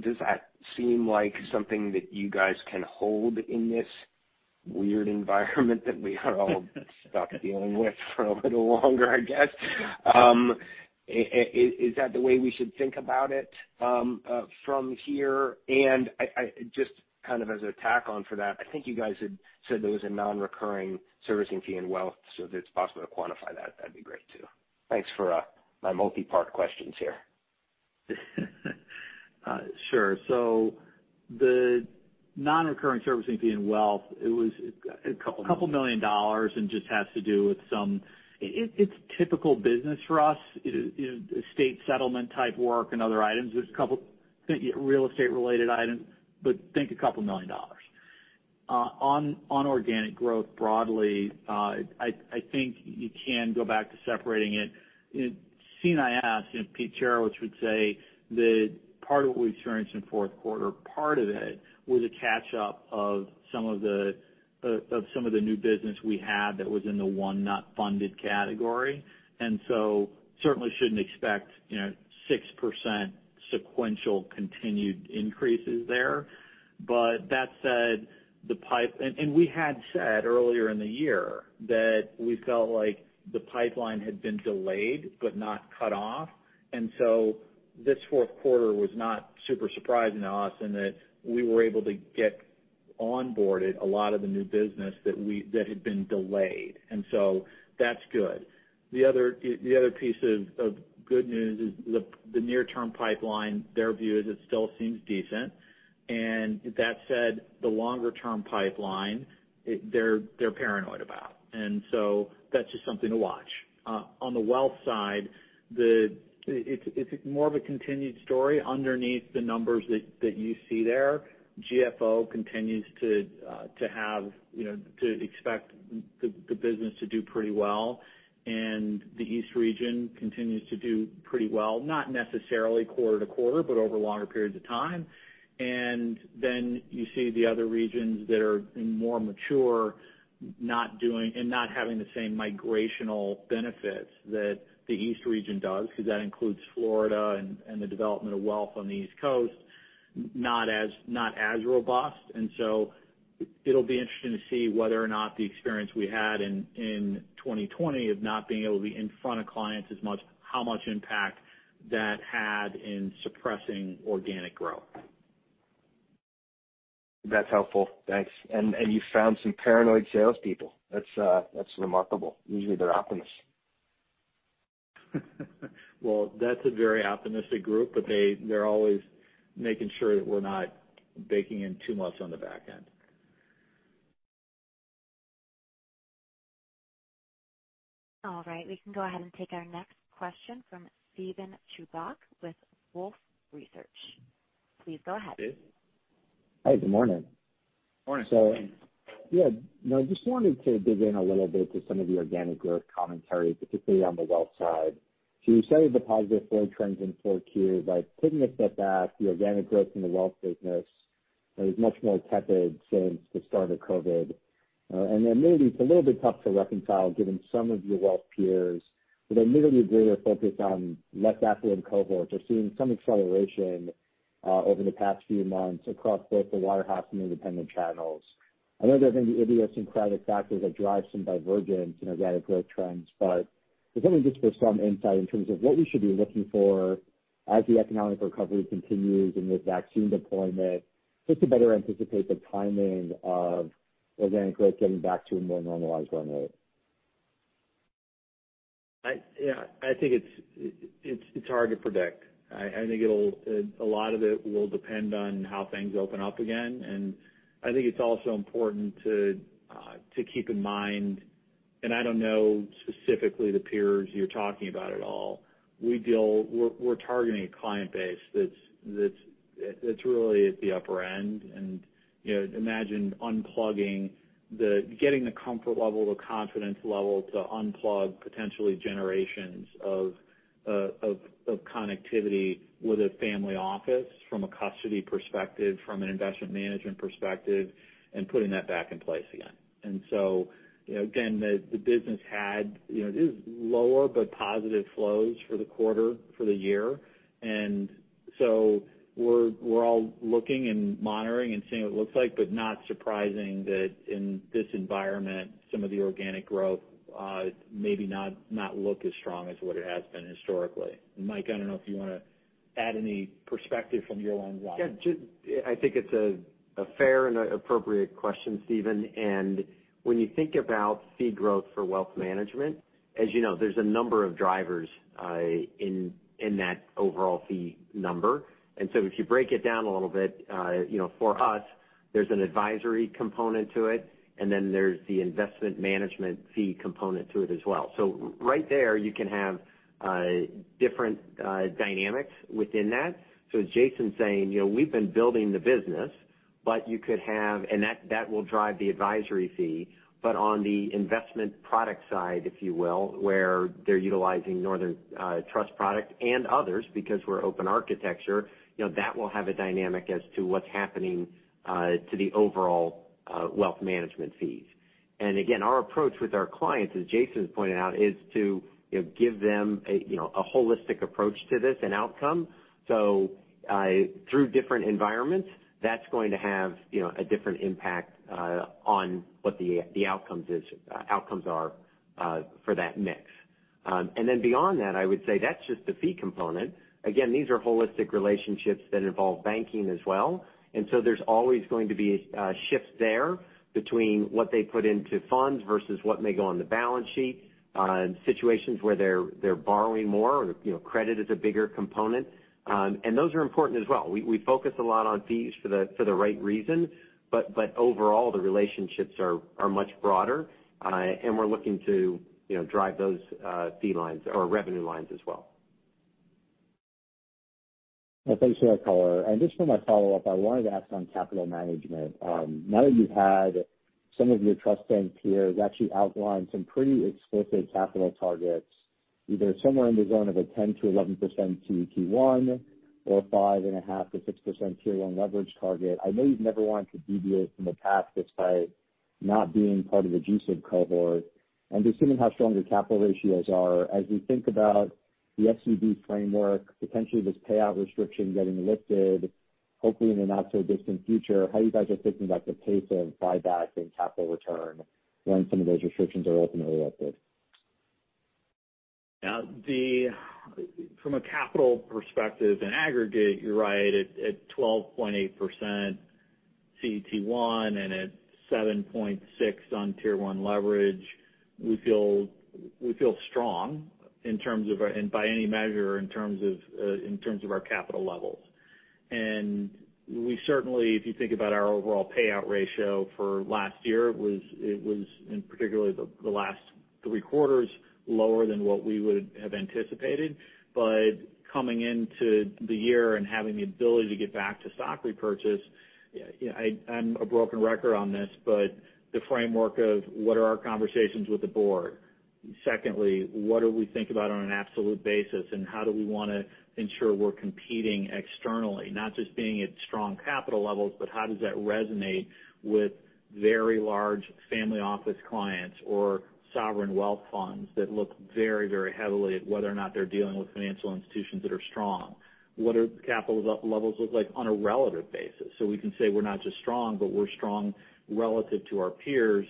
Does that seem like something that you guys can hold in this weird environment that we are all stuck dealing with for a little longer, I guess? Is that the way we should think about it from here? And just kind of as a tack on for that, I think you guys had said there was a non-recurring servicing fee in wealth, so if it's possible to quantify that, that'd be great too. Thanks for my multi-part questions here. Sure. So the non-recurring servicing fee in wealth, it was a couple million dollars and just has to do with some. It's typical business for us, state settlement type work and other items. There's a couple real estate-related items, but think a couple million dollars. On organic growth broadly, I think you can go back to separating it. C&IS and Pete Cherecwich would say that part of what we experienced in fourth quarter, part of it was a catch-up of some of the new business we had that was in the not-funded category. And so certainly shouldn't expect 6% sequential continued increases there. But that said, the pipeline, and we had said earlier in the year that we felt like the pipeline had been delayed but not cut off. And so this fourth quarter was not super surprising to us in that we were able to get onboarded a lot of the new business that had been delayed. And so that's good. The other piece of good news is the near-term pipeline. Their view is it still seems decent. And that said, the longer-term pipeline, they're paranoid about. And so that's just something to watch. On the wealth side, it's more of a continued story. Underneath the numbers that you see there, GFO continues to have to expect the business to do pretty well. And the East Region continues to do pretty well, not necessarily quarter to quarter, but over longer periods of time. And then you see the other regions that are more mature and not having the same migrational benefits that the East Region does, because that includes Florida and the development of wealth on the East Coast, not as robust, and so it'll be interesting to see whether or not the experience we had in 2020 of not being able to be in front of clients as much, how much impact that had in suppressing organic growth. That's helpful. Thanks. And you found some paranoid salespeople. That's remarkable. Usually, they're optimists. That's a very optimistic group, but they're always making sure that we're not baking in too much on the back end. All right. We can go ahead and take our next question from Steven Chubak with Wolfe Research. Please go ahead. Hi. Good morning. Morning. So, yeah, I just wanted to dig in a little bit to some of the organic growth commentary, particularly on the wealth side. So you said the positive forward trends in 4Q, but taking a step back, the organic growth in the wealth business is much more tepid since the start of COVID. And it's a little bit tough to reconcile given some of your wealth peers with a nearly greater focus on less affluent cohorts. We're seeing some acceleration over the past few months across both the wirehouse and independent channels. I know there have been the idiosyncratic factors that drive some divergence in organic growth trends, but if I can just for some insight in terms of what we should be looking for as the economic recovery continues and with vaccine deployment, just to better anticipate the timing of organic growth getting back to a more normalized run rate? Yeah. I think it's hard to predict. I think a lot of it will depend on how things open up again. And I think it's also important to keep in mind, and I don't know specifically the peers you're talking about at all, we're targeting a client base that's really at the upper end. And imagine unplugging, getting the comfort level, the confidence level to unplug potentially generations of connectivity with a family office from a custody perspective, from an investment management perspective, and putting that back in place again. And so, again, the business had lower but positive flows for the quarter, for the year. And so we're all looking and monitoring and seeing what it looks like, but not surprising that in this environment, some of the organic growth maybe not look as strong as what it has been historically. Mike, I don't know if you want to add any perspective from your lens on it. Yeah. I think it's a fair and appropriate question, Steven. And when you think about fee growth for wealth management, as you know, there's a number of drivers in that overall fee number. And so if you break it down a little bit, for us, there's an advisory component to it, and then there's the investment management fee component to it as well. So right there, you can have different dynamics within that. So Jason's saying, "We've been building the business," but you could have, and that will drive the advisory fee. But on the investment product side, if you will, where they're utilizing Northern Trust product and others because we're open architecture, that will have a dynamic as to what's happening to the overall wealth management fees. And again, our approach with our clients, as Jason's pointed out, is to give them a holistic approach to this and outcome. So through different environments, that's going to have a different impact on what the outcomes are for that mix. And then beyond that, I would say that's just the fee component. Again, these are holistic relationships that involve banking as well. And so there's always going to be a shift there between what they put into funds versus what may go on the balance sheet, situations where they're borrowing more, or credit is a bigger component. And those are important as well. We focus a lot on fees for the right reason, but overall, the relationships are much broader, and we're looking to drive those fee lines or revenue lines as well. Thanks for that color. And just for my follow-up, I wanted to ask on capital management. Now that you've had some of your trust peers actually outline some pretty explicit capital targets, either somewhere in the zone of 10%-11% CET1 or 5.5%-6% Tier 1 leverage target, I know you've never wanted to deviate from the path despite not being part of the GSIB cohort. And just given how strong your capital ratios are, as we think about the SCB framework, potentially this payout restriction getting lifted, hopefully in the not-so-distant future, how you guys are thinking about the pace of buyback and capital return when some of those restrictions are ultimately lifted? Yeah. From a capital perspective and aggregate, you're right, at 12.8% CET1 and at 7.6% on tier 1 leverage, we feel strong in terms of, and by any measure, in terms of our capital levels. And we certainly, if you think about our overall payout ratio for last year, it was, and particularly the last three quarters, lower than what we would have anticipated. But coming into the year and having the ability to get back to stock repurchase, I'm a broken record on this, but the framework of what are our conversations with the board? Secondly, what do we think about on an absolute basis, and how do we want to ensure we're competing externally, not just being at strong capital levels, but how does that resonate with very large family office clients or sovereign wealth funds that look very, very heavily at whether or not they're dealing with financial institutions that are strong? What do the capital levels look like on a relative basis? So we can say we're not just strong, but we're strong relative to our peers.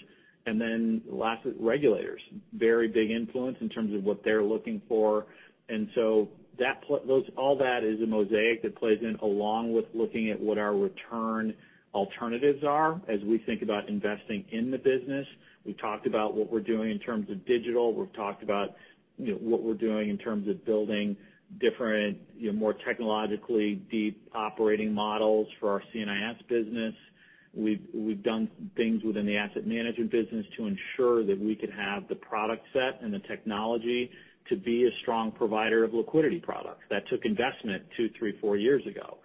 And then lastly, regulators, very big influence in terms of what they're looking for. And so all that is a mosaic that plays in along with looking at what our return alternatives are as we think about investing in the business. We've talked about what we're doing in terms of digital. We've talked about what we're doing in terms of building different, more technologically deep operating models for our C&IS business. We've done things within the asset management business to ensure that we could have the product set and the technology to be a strong provider of liquidity products that took investment two, three, four years ago.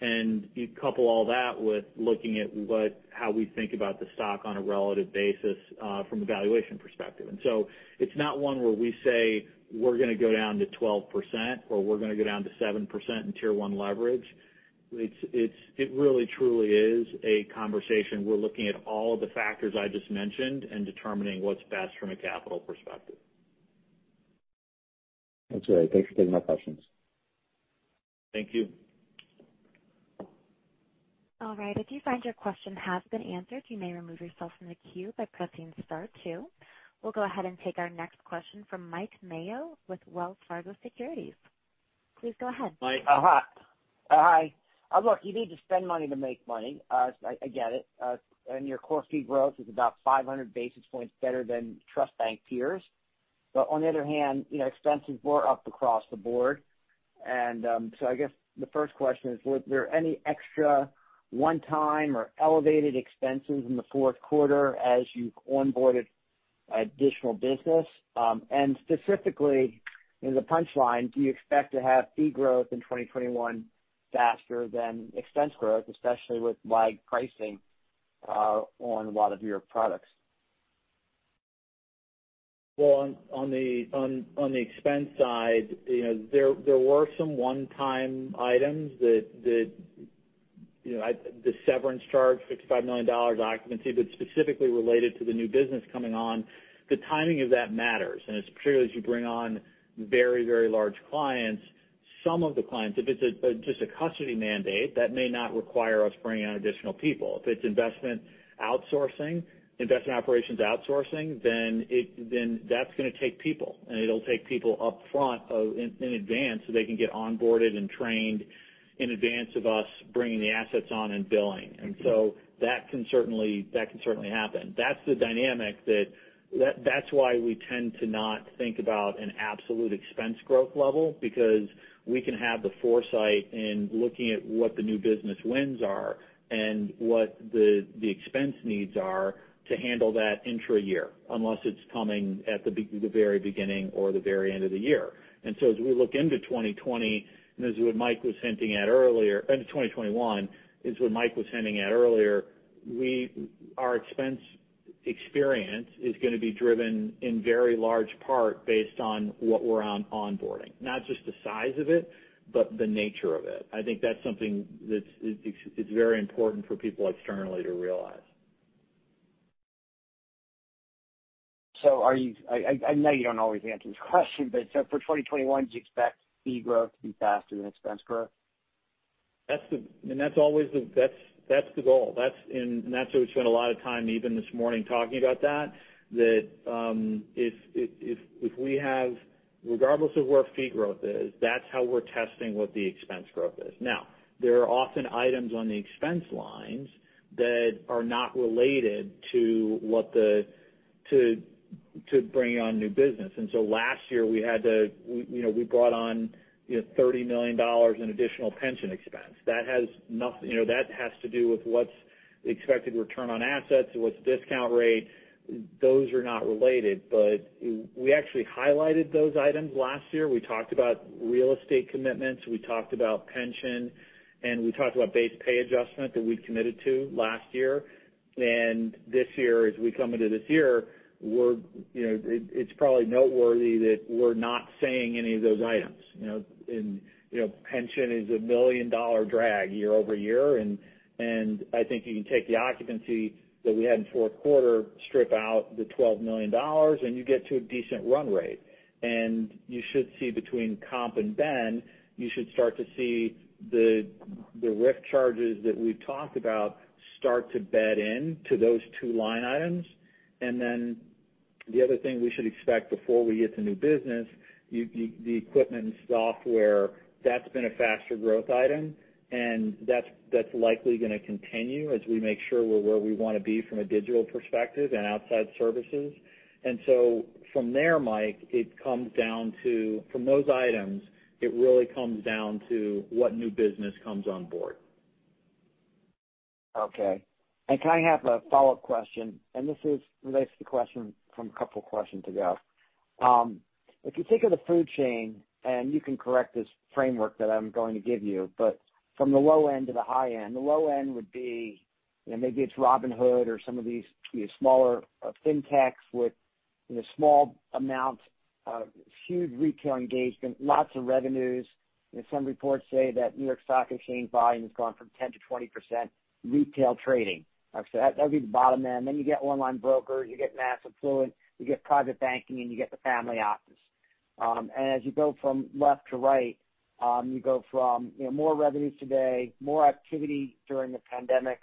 And you couple all that with looking at how we think about the stock on a relative basis from a valuation perspective. And so it's not one where we say we're going to go down to 12% or we're going to go down to 7% in Tier 1 leverage. It really, truly is a conversation. We're looking at all of the factors I just mentioned and determining what's best from a capital perspective. That's great. Thanks for taking my questions. Thank you. All right. If you find your question has been answered, you may remove yourself from the queue by pressing star two. We'll go ahead and take our next question from Mike Mayo with Wells Fargo Securities. Please go ahead. Mike. Hi. Look, you need to spend money to make money. I get it. And your core fee growth is about 500 basis points better than trust bank peers. But on the other hand, expenses were up across the board. And so I guess the first question is, were there any extra one-time or elevated expenses in the fourth quarter as you've onboarded additional business? And specifically, in the punchline, do you expect to have fee growth in 2021 faster than expense growth, especially with lagged pricing on a lot of your products? On the expense side, there were some one-time items that the severance charge, $65 million occupancy, but specifically related to the new business coming on. The timing of that matters. It's particularly as you bring on very, very large clients. Some of the clients, if it's just a custody mandate, that may not require us bringing on additional people. If it's investment outsourcing, investment operations outsourcing, then that's going to take people. It'll take people upfront in advance so they can get onboarded and trained in advance of us bringing the assets on and billing. That can certainly happen. That's the dynamic. That's why we tend to not think about an absolute expense growth level, because we can have the foresight in looking at what the new business wins are and what the expense needs are to handle that intra-year, unless it's coming at the very beginning or the very end of the year. And so as we look into 2020 and into 2021, this is what Mike was hinting at earlier, our expense experience is going to be driven in very large part based on what we're onboarding, not just the size of it, but the nature of it. I think that's something that's very important for people externally to realize. I know you don't always answer this question, but so for 2021, do you expect fee growth to be faster than expense growth? That's always the goal. That's what we spent a lot of time even this morning talking about, that if we have, regardless of where fee growth is, that's how we're testing what the expense growth is. Now, there are often items on the expense lines that are not related to bringing on new business. So last year, we brought on $30 million in additional pension expense. That has nothing to do with what's the expected return on assets, what's the discount rate. Those are not related, but we actually highlighted those items last year. We talked about real estate commitments. We talked about pension, and we talked about base pay adjustment that we committed to last year. This year, as we come into this year, it's probably noteworthy that we're not seeing any of those items. Pension is a million-dollar drag year over year. I think you can take the occupancy that we had in fourth quarter, strip out the $12 million, and you get to a decent run rate. You should see between comp and ben you should start to see the RIF charges that we've talked about start to bed into those two line items. Then the other thing we should expect before we get to new business, the equipment and software, that's been a faster growth item, and that's likely going to continue as we make sure we're where we want to be from a digital perspective and outside services. From there, Mike, it comes down to from those items, it really comes down to what new business comes on board. Okay. And can I have a follow-up question? And this relates to the question from a couple of questions ago. If you think of the food chain, and you can correct this framework that I'm going to give you, but from the low end to the high end, the low end would be maybe it's Robinhood or some of these smaller fintechs with small amounts, huge retail engagement, lots of revenues. Some reports say that New York Stock Exchange volume has gone from 10%-20% retail trading. So that would be the bottom end. Then you get online brokers, you get mass affluent, you get private banking, and you get the family office. And as you go from left to right, you go from more revenues today, more activity during the pandemic,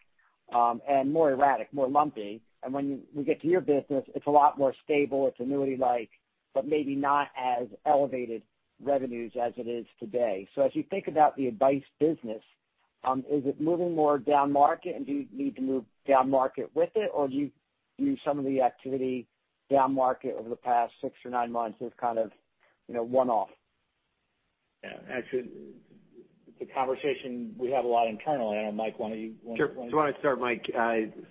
and more erratic, more lumpy. When we get to your business, it's a lot more stable. It's annuity-like, but maybe not as elevated revenues as it is today. As you think about the advice business, is it moving more down market, and do you need to move down market with it, or do you view some of the activity down market over the past six or nine months as kind of one-off? Yeah. Actually, the conversation we have a lot internally. I don't know, Mike. Want to. Sure. So I want to start, Mike.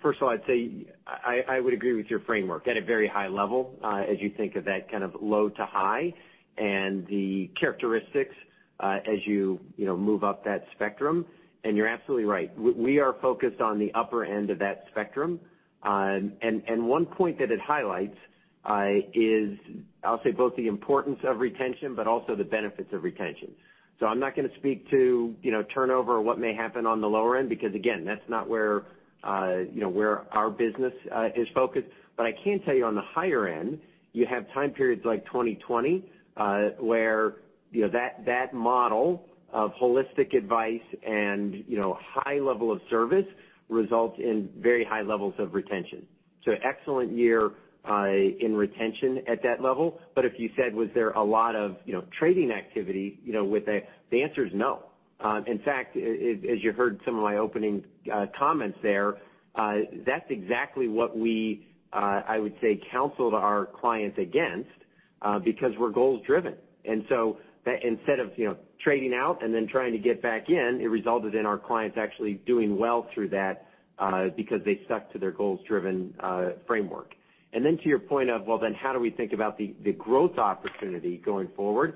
First of all, I'd say I would agree with your framework at a very high level as you think of that kind of low to high and the characteristics as you move up that spectrum. And you're absolutely right. We are focused on the upper end of that spectrum. And one point that it highlights is, I'll say, both the importance of retention, but also the benefits of retention. So I'm not going to speak to turnover or what may happen on the lower end, because, again, that's not where our business is focused. But I can tell you on the higher end, you have time periods like 2020 where that model of holistic advice and high level of service results in very high levels of retention. So excellent year in retention at that level. But if you said, "Was there a lot of trading activity?" The answer is no. In fact, as you heard some of my opening comments there, that's exactly what we, I would say, counseled our clients against because we're goals-driven, and so instead of trading out and then trying to get back in, it resulted in our clients actually doing well through that because they stuck to their goals-driven framework, and then to your point of, "Well, then how do we think about the growth opportunity going forward?"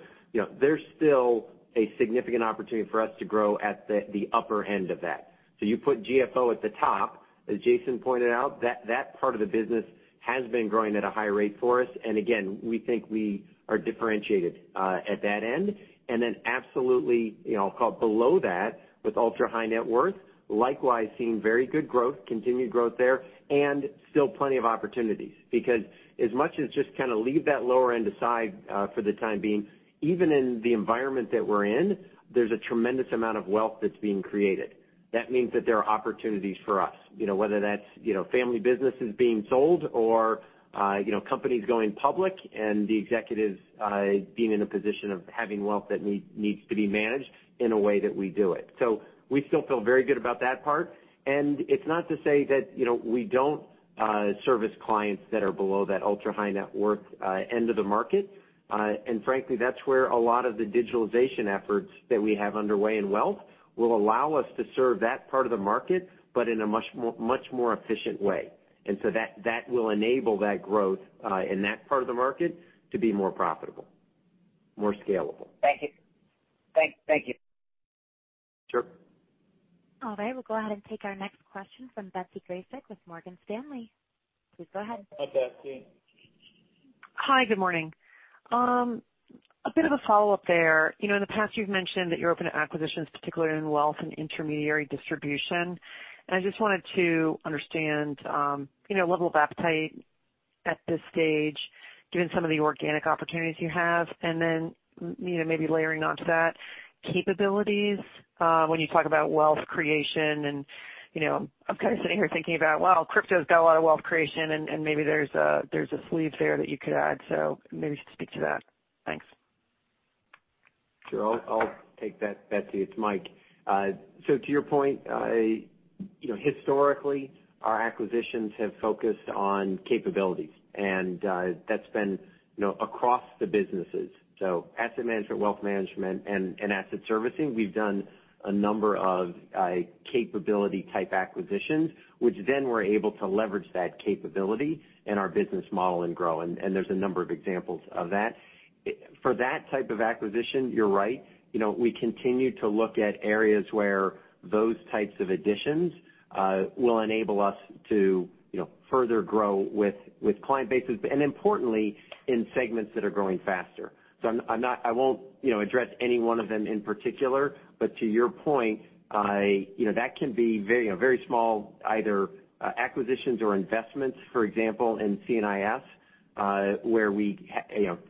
There's still a significant opportunity for us to grow at the upper end of that, so you put GFO at the top, as Jason pointed out, that part of the business has been growing at a high rate for us, and again, we think we are differentiated at that end. And then absolutely, I'll call it below that with ultra-high net worth, likewise seeing very good growth, continued growth there, and still plenty of opportunities. Because as much as just kind of leave that lower end aside for the time being, even in the environment that we're in, there's a tremendous amount of wealth that's being created. That means that there are opportunities for us, whether that's family businesses being sold or companies going public and the executives being in a position of having wealth that needs to be managed in a way that we do it. So we still feel very good about that part. And it's not to say that we don't service clients that are below that ultra-high net worth end of the market. Frankly, that's where a lot of the digitalization efforts that we have underway in wealth will allow us to serve that part of the market, but in a much more efficient way. And so that will enable that growth in that part of the market to be more profitable, more scalable. Thank you. Thank you. Sure. All right. We'll go ahead and take our next question from Betsy Graseck with Morgan Stanley. Please go ahead. Hi, Bette. Hi. Good morning. A bit of a follow-up there. In the past, you've mentioned that you're open to acquisitions, particularly in wealth and intermediary distribution, and I just wanted to understand the level of appetite at this stage, given some of the organic opportunities you have, and then maybe layering onto that capabilities when you talk about wealth creation, and I'm kind of sitting here thinking about, "Well, crypto's got a lot of wealth creation, and maybe there's a sleeve there that you could add," so maybe you could speak to that. Thanks. Sure. I'll take that, Bette. It's Mike. So to your point, historically, our acquisitions have focused on capabilities. And that's been across the businesses. So asset management, wealth management, and asset servicing, we've done a number of capability-type acquisitions, which then we're able to leverage that capability in our business model and grow. And there's a number of examples of that. For that type of acquisition, you're right. We continue to look at areas where those types of additions will enable us to further grow with client bases, and importantly, in segments that are growing faster. So I won't address any one of them in particular, but to your point, that can be very small, either acquisitions or investments, for example, in C&IS, where we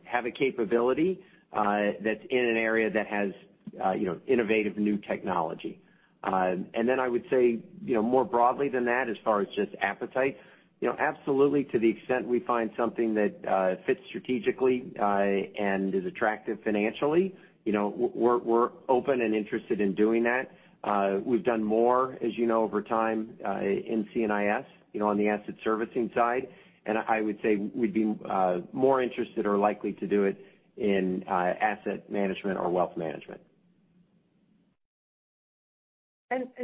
have a capability that's in an area that has innovative new technology. And then I would say, more broadly than that, as far as just appetite, absolutely to the extent we find something that fits strategically and is attractive financially, we're open and interested in doing that. We've done more, as you know, over time in C&IS on the asset servicing side. And I would say we'd be more interested or likely to do it in asset management or wealth management.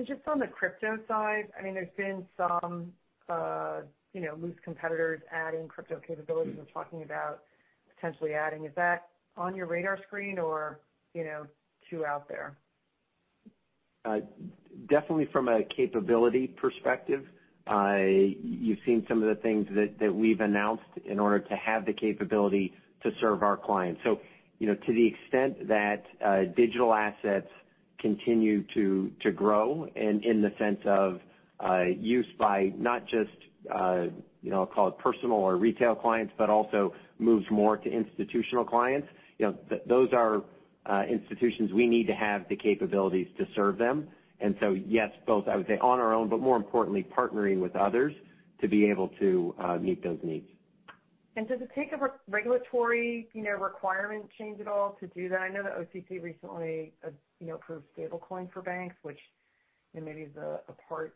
Just on the crypto side, I mean, there's been some loose competitors adding crypto capabilities. We're talking about potentially adding. Is that on your radar screen or too out there? Definitely from a capability perspective, you've seen some of the things that we've announced in order to have the capability to serve our clients. So to the extent that digital assets continue to grow in the sense of use by not just, I'll call it, personal or retail clients, but also moves more to institutional clients, those are institutions we need to have the capabilities to serve them. And so yes, both, I would say, on our own, but more importantly, partnering with others to be able to meet those needs. Does it take a regulatory requirement change at all to do that? I know the OCC recently approved stablecoin for banks, which maybe is a part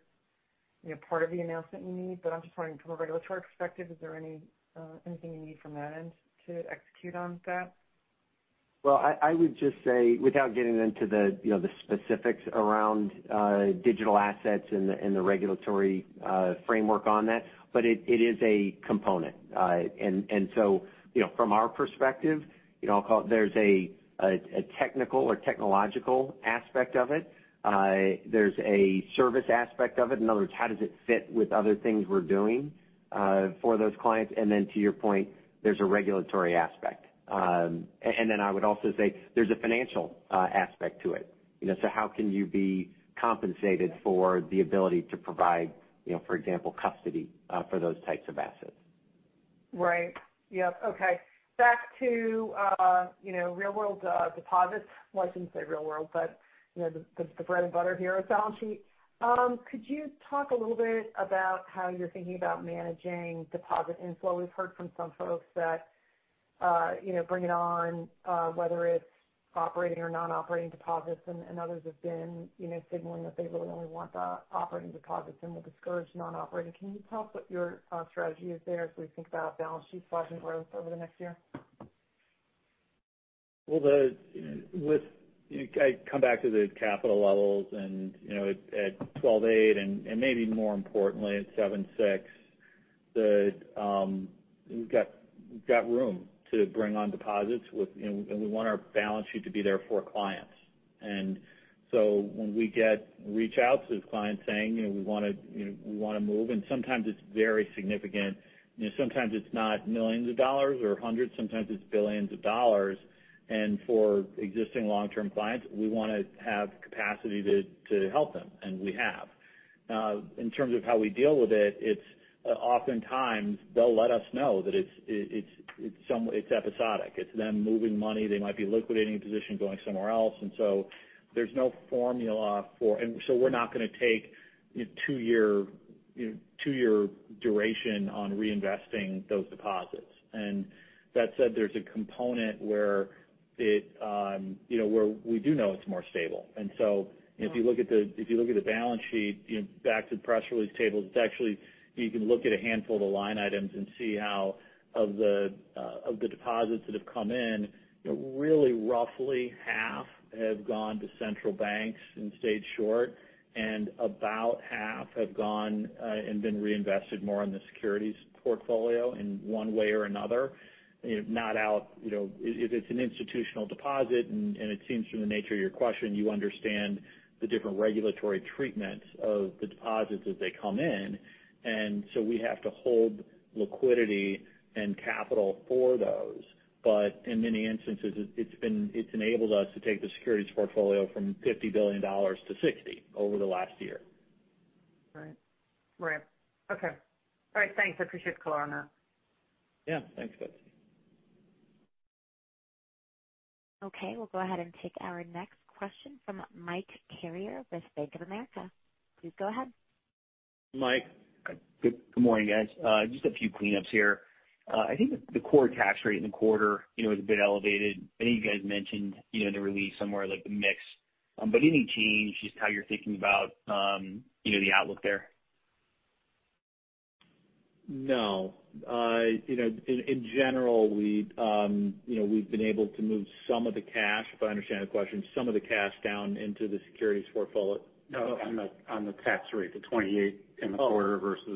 of the announcement you need. But I'm just wondering, from a regulatory perspective, is there anything you need from that end to execute on that? I would just say, without getting into the specifics around digital assets and the regulatory framework on that, but it is a component. And so from our perspective, I'll call it there's a technical or technological aspect of it. There's a service aspect of it. In other words, how does it fit with other things we're doing for those clients? And then to your point, there's a regulatory aspect. And then I would also say there's a financial aspect to it. So how can you be compensated for the ability to provide, for example, custody for those types of assets? Right. Yep. Okay. Back to real-world deposits. I shouldn't say real-world, but the bread and butter here of balance sheet. Could you talk a little bit about how you're thinking about managing deposit inflow? We've heard from some folks that bringing on, whether it's operating or non-operating deposits, and others have been signaling that they really only want the operating deposits and will discourage non-operating. Can you tell us what your strategy is there as we think about balance sheet size and growth over the next year? I come back to the capital levels, and at 12.8, and maybe more importantly at 7.6, we've got room to bring on deposits, and we want our balance sheet to be there for clients, and so when we reach out to clients saying, "We want to move," and sometimes it's very significant. Sometimes it's not millions of dollars or hundreds. Sometimes it's billions of dollars, and for existing long-term clients, we want to have capacity to help them, and we have. In terms of how we deal with it, oftentimes they'll let us know that it's episodic. It's them moving money. They might be liquidating a position, going somewhere else, and so there's no formula for and so we're not going to take two-year duration on reinvesting those deposits, and that said, there's a component where we do know it's more stable. And so if you look at the balance sheet, back to the press release tables, it's actually you can look at a handful of the line items and see how, of the deposits that have come in, really roughly half have gone to central banks and stayed short, and about half have gone and been reinvested more in the securities portfolio in one way or another, not out. If it's an institutional deposit, and it seems from the nature of your question, you understand the different regulatory treatments of the deposits as they come in. And so we have to hold liquidity and capital for those. But in many instances, it's enabled us to take the securities portfolio from $50 billion to $60 billion over the last year. Right. Right. Okay. All right. Thanks. I appreciate the clarity. Yeah. Thanks, Betsy. Okay. We'll go ahead and take our next question from Mike Carrier with Bank of America. Please go ahead. Mike. Good morning, guys. Just a few cleanups here. I think the core tax rate in the quarter was a bit elevated. I think you guys mentioned in the release somewhere like the mix. But any change, just how you're thinking about the outlook there? No. In general, we've been able to move some of the cash, if I understand the question, some of the cash down into the securities portfolio. No. On the tax rate, the 28% in the quarter versus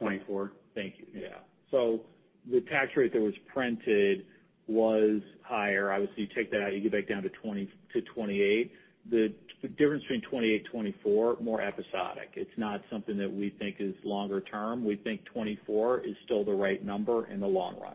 24%. Thanks. Thank you. Yeah. So the tax rate that was printed was higher. Obviously, you take that out, you get back down to 28. The difference between 28 and 24, more episodic. It's not something that we think is longer term. We think 24 is still the right number in the long run.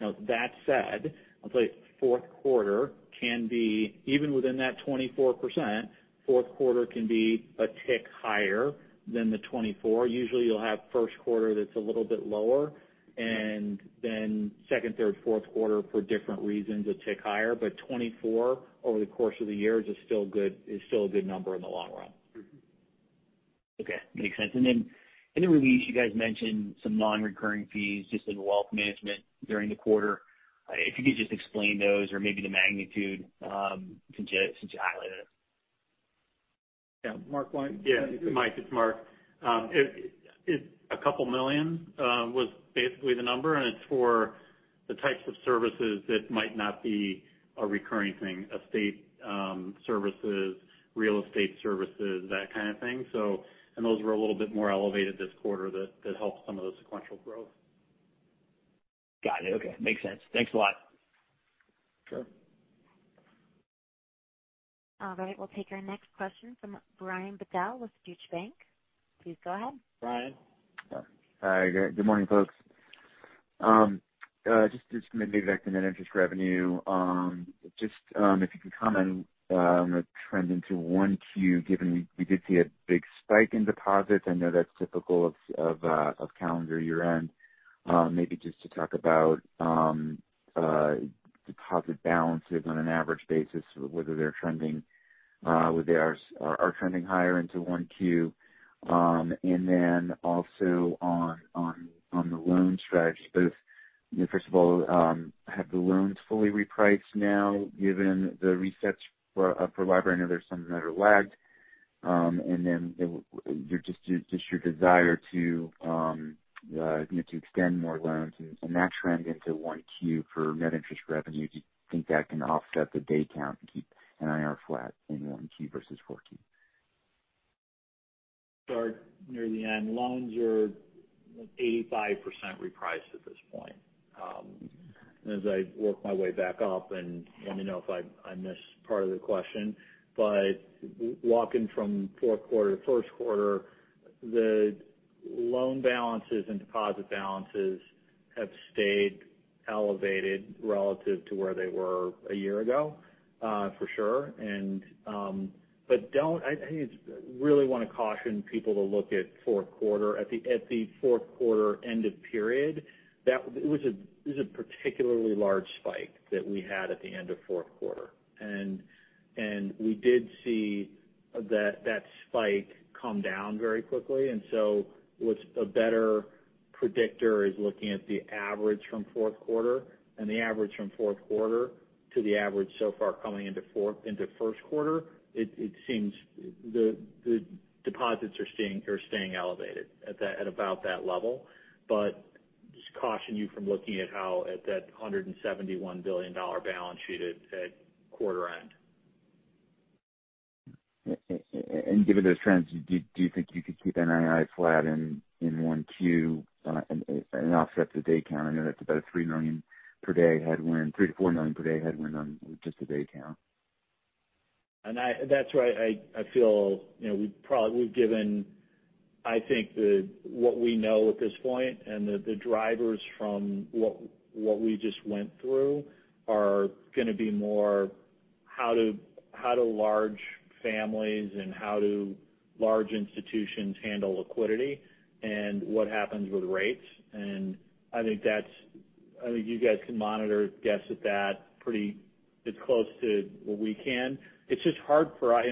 Now, that said, I'll tell you, fourth quarter can be even within that 24%, fourth quarter can be a tick higher than the 24. Usually, you'll have first quarter that's a little bit lower, and then second, third, fourth quarter, for different reasons, a tick higher. But 24 over the course of the year is still a good number in the long run. Okay. Makes sense. And then in the release, you guys mentioned some non-recurring fees just in wealth management during the quarter. If you could just explain those or maybe the magnitude since you highlighted it? Yeah. Mark Bette. Yeah. Mike, it's Mark. A couple million was basically the number, and it's for the types of services that might not be a recurring thing, estate services, real estate services, that kind of thing. And those were a little bit more elevated this quarter that helped some of the sequential growth. Got it. Okay. Makes sense. Thanks a lot. Sure. All right. We'll take our next question from Brian Bedell with Deutsche Bank. Please go ahead. Brian. Hi. Good morning, folks. Just maybe back to net interest revenue. Just if you can comment on the trend into 1Q, given we did see a big spike in deposits. I know that's typical of calendar year-end. Maybe just to talk about deposit balances on an average basis, whether they're trending or are trending higher into 1Q. And then also on the loan strategy, both, first of all, have the loans fully repriced now, given the resets for LIBOR? I know there's some that are lagged. And then just your desire to extend more loans and that trend into 1Q for net interest revenue. Do you think that can offset the day count and keep an IR flat in 1Q versus 4Q? Sorry. Near the end. Loans are 85% repriced at this point. And as I work my way back up, and let me know if I missed part of the question, but walking from fourth quarter to first quarter, the loan balances and deposit balances have stayed elevated relative to where they were a year ago, for sure. But I really want to caution people to look at fourth quarter. At the fourth quarter end of period, it was a particularly large spike that we had at the end of fourth quarter. And we did see that spike come down very quickly. And so what's a better predictor is looking at the average from fourth quarter. And the average from fourth quarter to the average so far coming into first quarter, it seems the deposits are staying elevated at about that level. But just caution you from looking at that $171 billion balance sheet at quarter end. Given those trends, do you think you could keep NII flat in one Q and offset the day count? I know that's about a $3 million per day headwind, $3-$4 million per day headwind on just the day count. And that's right. I feel we've given, I think, what we know at this point, and the drivers from what we just went through are going to be more how do large families and how do large institutions handle liquidity and what happens with rates. And I think you guys can monitor, guess at that. It's close to what we can. It's just hard for us.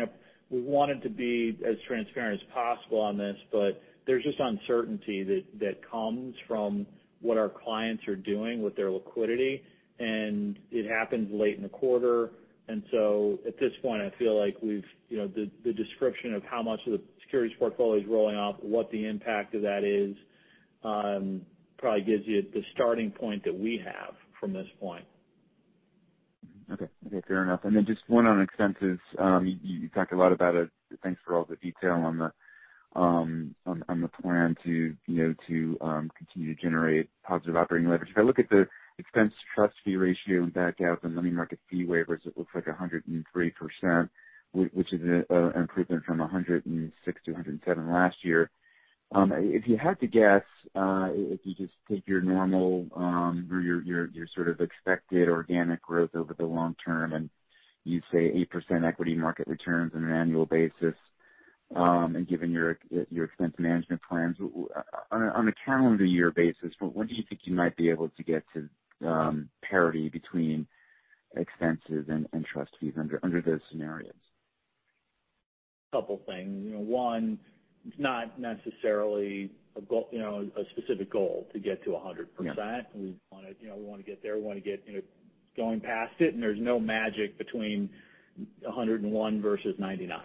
We wanted to be as transparent as possible on this, but there's just uncertainty that comes from what our clients are doing with their liquidity. And it happens late in the quarter. And so at this point, I feel like the description of how much of the securities portfolio is rolling off, what the impact of that is, probably gives you the starting point that we have from this point. Okay. Okay. Fair enough. And then just one on expenses. You talked a lot about it. Thanks for all the detail on the plan to continue to generate positive operating leverage. If I look at the expense trust fee ratio and back out the money market fee waivers, it looks like 103%, which is an improvement from 106%-107% last year. If you had to guess, if you just take your normal or your sort of expected organic growth over the long term and you'd say 8% equity market returns on an annual basis, and given your expense management plans, on a calendar year basis, what do you think you might be able to get to parity between expenses and trust fees under those scenarios? A couple of things. One, it's not necessarily a specific goal to get to 100%. We want to get there. We want to get going past it, and there's no magic between 101% versus 99%.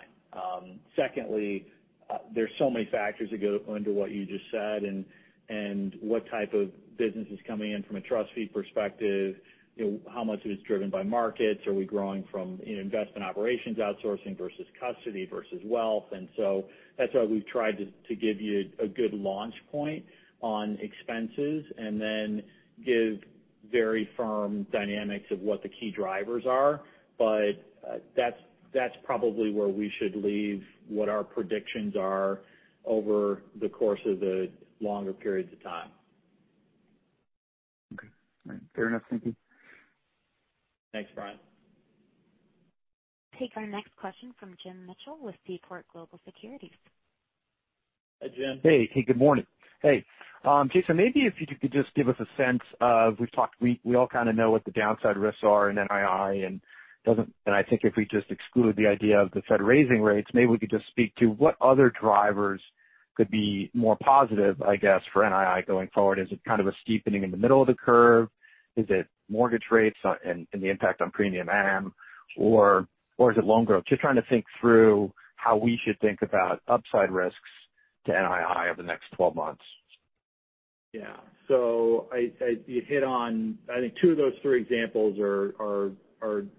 Secondly, there's so many factors that go under what you just said and what type of business is coming in from a trust fee perspective, how much of it is driven by markets, are we growing from investment operations outsourcing versus custody versus wealth, and so that's why we've tried to give you a good launch point on expenses and then give very firm dynamics of what the key drivers are, but that's probably where we should leave what our predictions are over the course of the longer periods of time. Okay. All right. Fair enough. Thank you. Thanks, Brian. We'll take our next question from Jim Mitchell with Seaport Global Securities. Hi, Jim. Hey. Hey. Good morning. Hey. Jason, maybe if you could just give us a sense of we all kind of know what the downside risks are in NII. And I think if we just exclude the idea of the Fed raising rates, maybe we could just speak to what other drivers could be more positive, I guess, for NII going forward. Is it kind of a steepening in the middle of the curve? Is it mortgage rates and the impact on premium amortization? Or is it loan growth? Just trying to think through how we should think about upside risks to NII over the next 12 months. Yeah. So you hit on, I think, two of those three examples are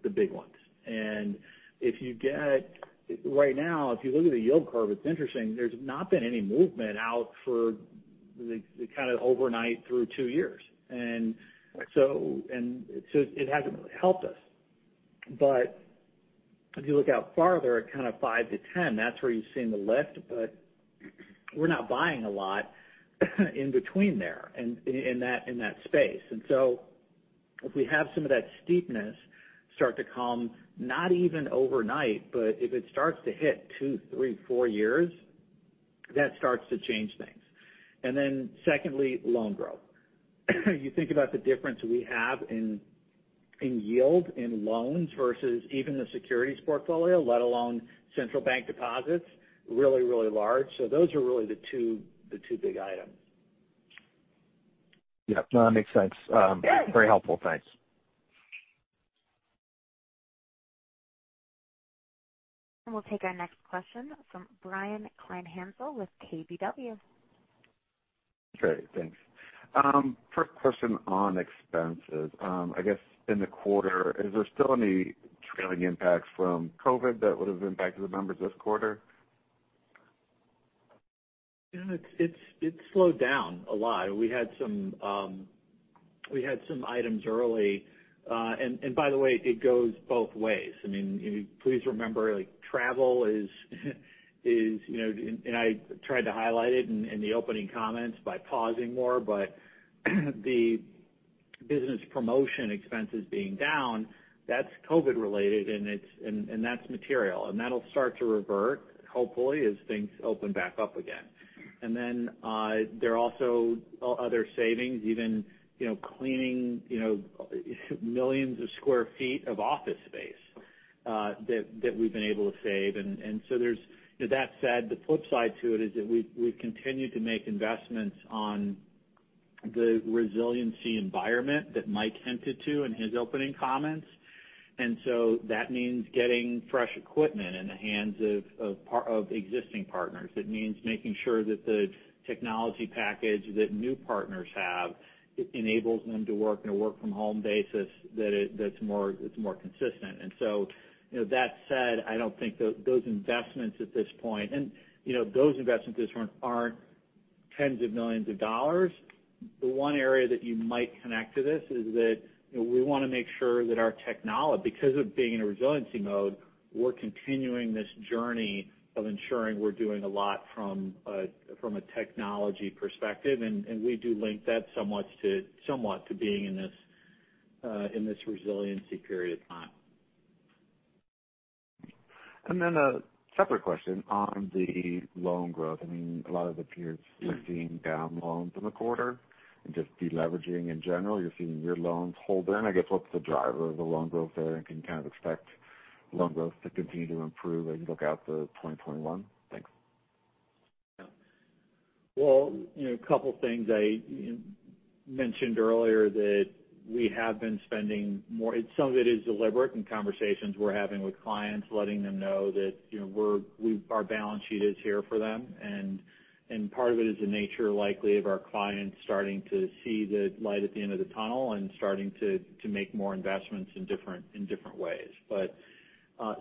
the big ones, and if you look right now, if you look at the yield curve, it's interesting. There's not been any movement out for kind of overnight through two years, and so it hasn't really helped us. But if you look out farther, kind of five to 10, that's where you've seen the lift. But we're not buying a lot in between there in that space, and so if we have some of that steepness start to come, not even overnight, but if it starts to hit two, three, four years, that starts to change things, and then secondly, loan growth. You think about the difference we have in yield in loans versus even the securities portfolio, let alone central bank deposits, really, really large. So those are really the two big items. Yeah. No, that makes sense. Very helpful. Thanks. We'll take our next question from Brian Kleinhanzl with KBW. Great. Thanks. First question on expenses. I guess in the quarter, is there still any trailing impacts from COVID that would have impacted the numbers this quarter? It's slowed down a lot. We had some items early, and by the way, it goes both ways. I mean, please remember, travel is, and I tried to highlight it in the opening comments by pausing more, but the business promotion expenses being down, that's COVID-related, and that's material, and that'll start to revert, hopefully, as things open back up again, and then there are also other savings, even cleaning millions of sq ft of office space that we've been able to save, and so that said, the flip side to it is that we've continued to make investments on the resiliency environment that Mike hinted to in his opening comments, and so that means getting fresh equipment in the hands of existing partners. It means making sure that the technology package that new partners have enables them to work on a work-from-home basis that's more consistent. With that said, I don't think those investments at this point, and those investments aren't tens of millions of dollars. The one area that you might connect to this is that we want to make sure that our technology, because of being in a resiliency mode, we're continuing this journey of ensuring we're doing a lot from a technology perspective. We do link that somewhat to being in this resiliency period of time. And then a separate question on the loan growth. I mean, a lot of the peers are seeing down loans in the quarter and just deleveraging in general. You're seeing your loans hold in. I guess what's the driver of the loan growth there and can kind of expect loan growth to continue to improve as you look out the 2021? Thanks. Yeah. Well, a couple of things I mentioned earlier that we have been spending more. Some of it is deliberate in conversations we're having with clients, letting them know that our balance sheet is here for them. And part of it is the nature likely of our clients starting to see the light at the end of the tunnel and starting to make more investments in different ways.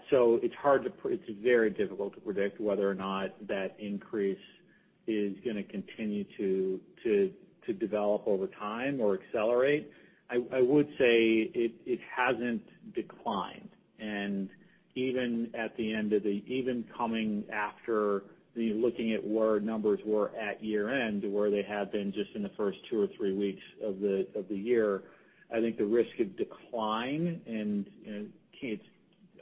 So it's hard to, it's very difficult to predict whether or not that increase is going to continue to develop over time or accelerate. I would say it hasn't declined. And even at the end of the year, even coming after looking at where numbers were at year-end, where they had been just in the first two or three weeks of the year, I think the risk of decline and it's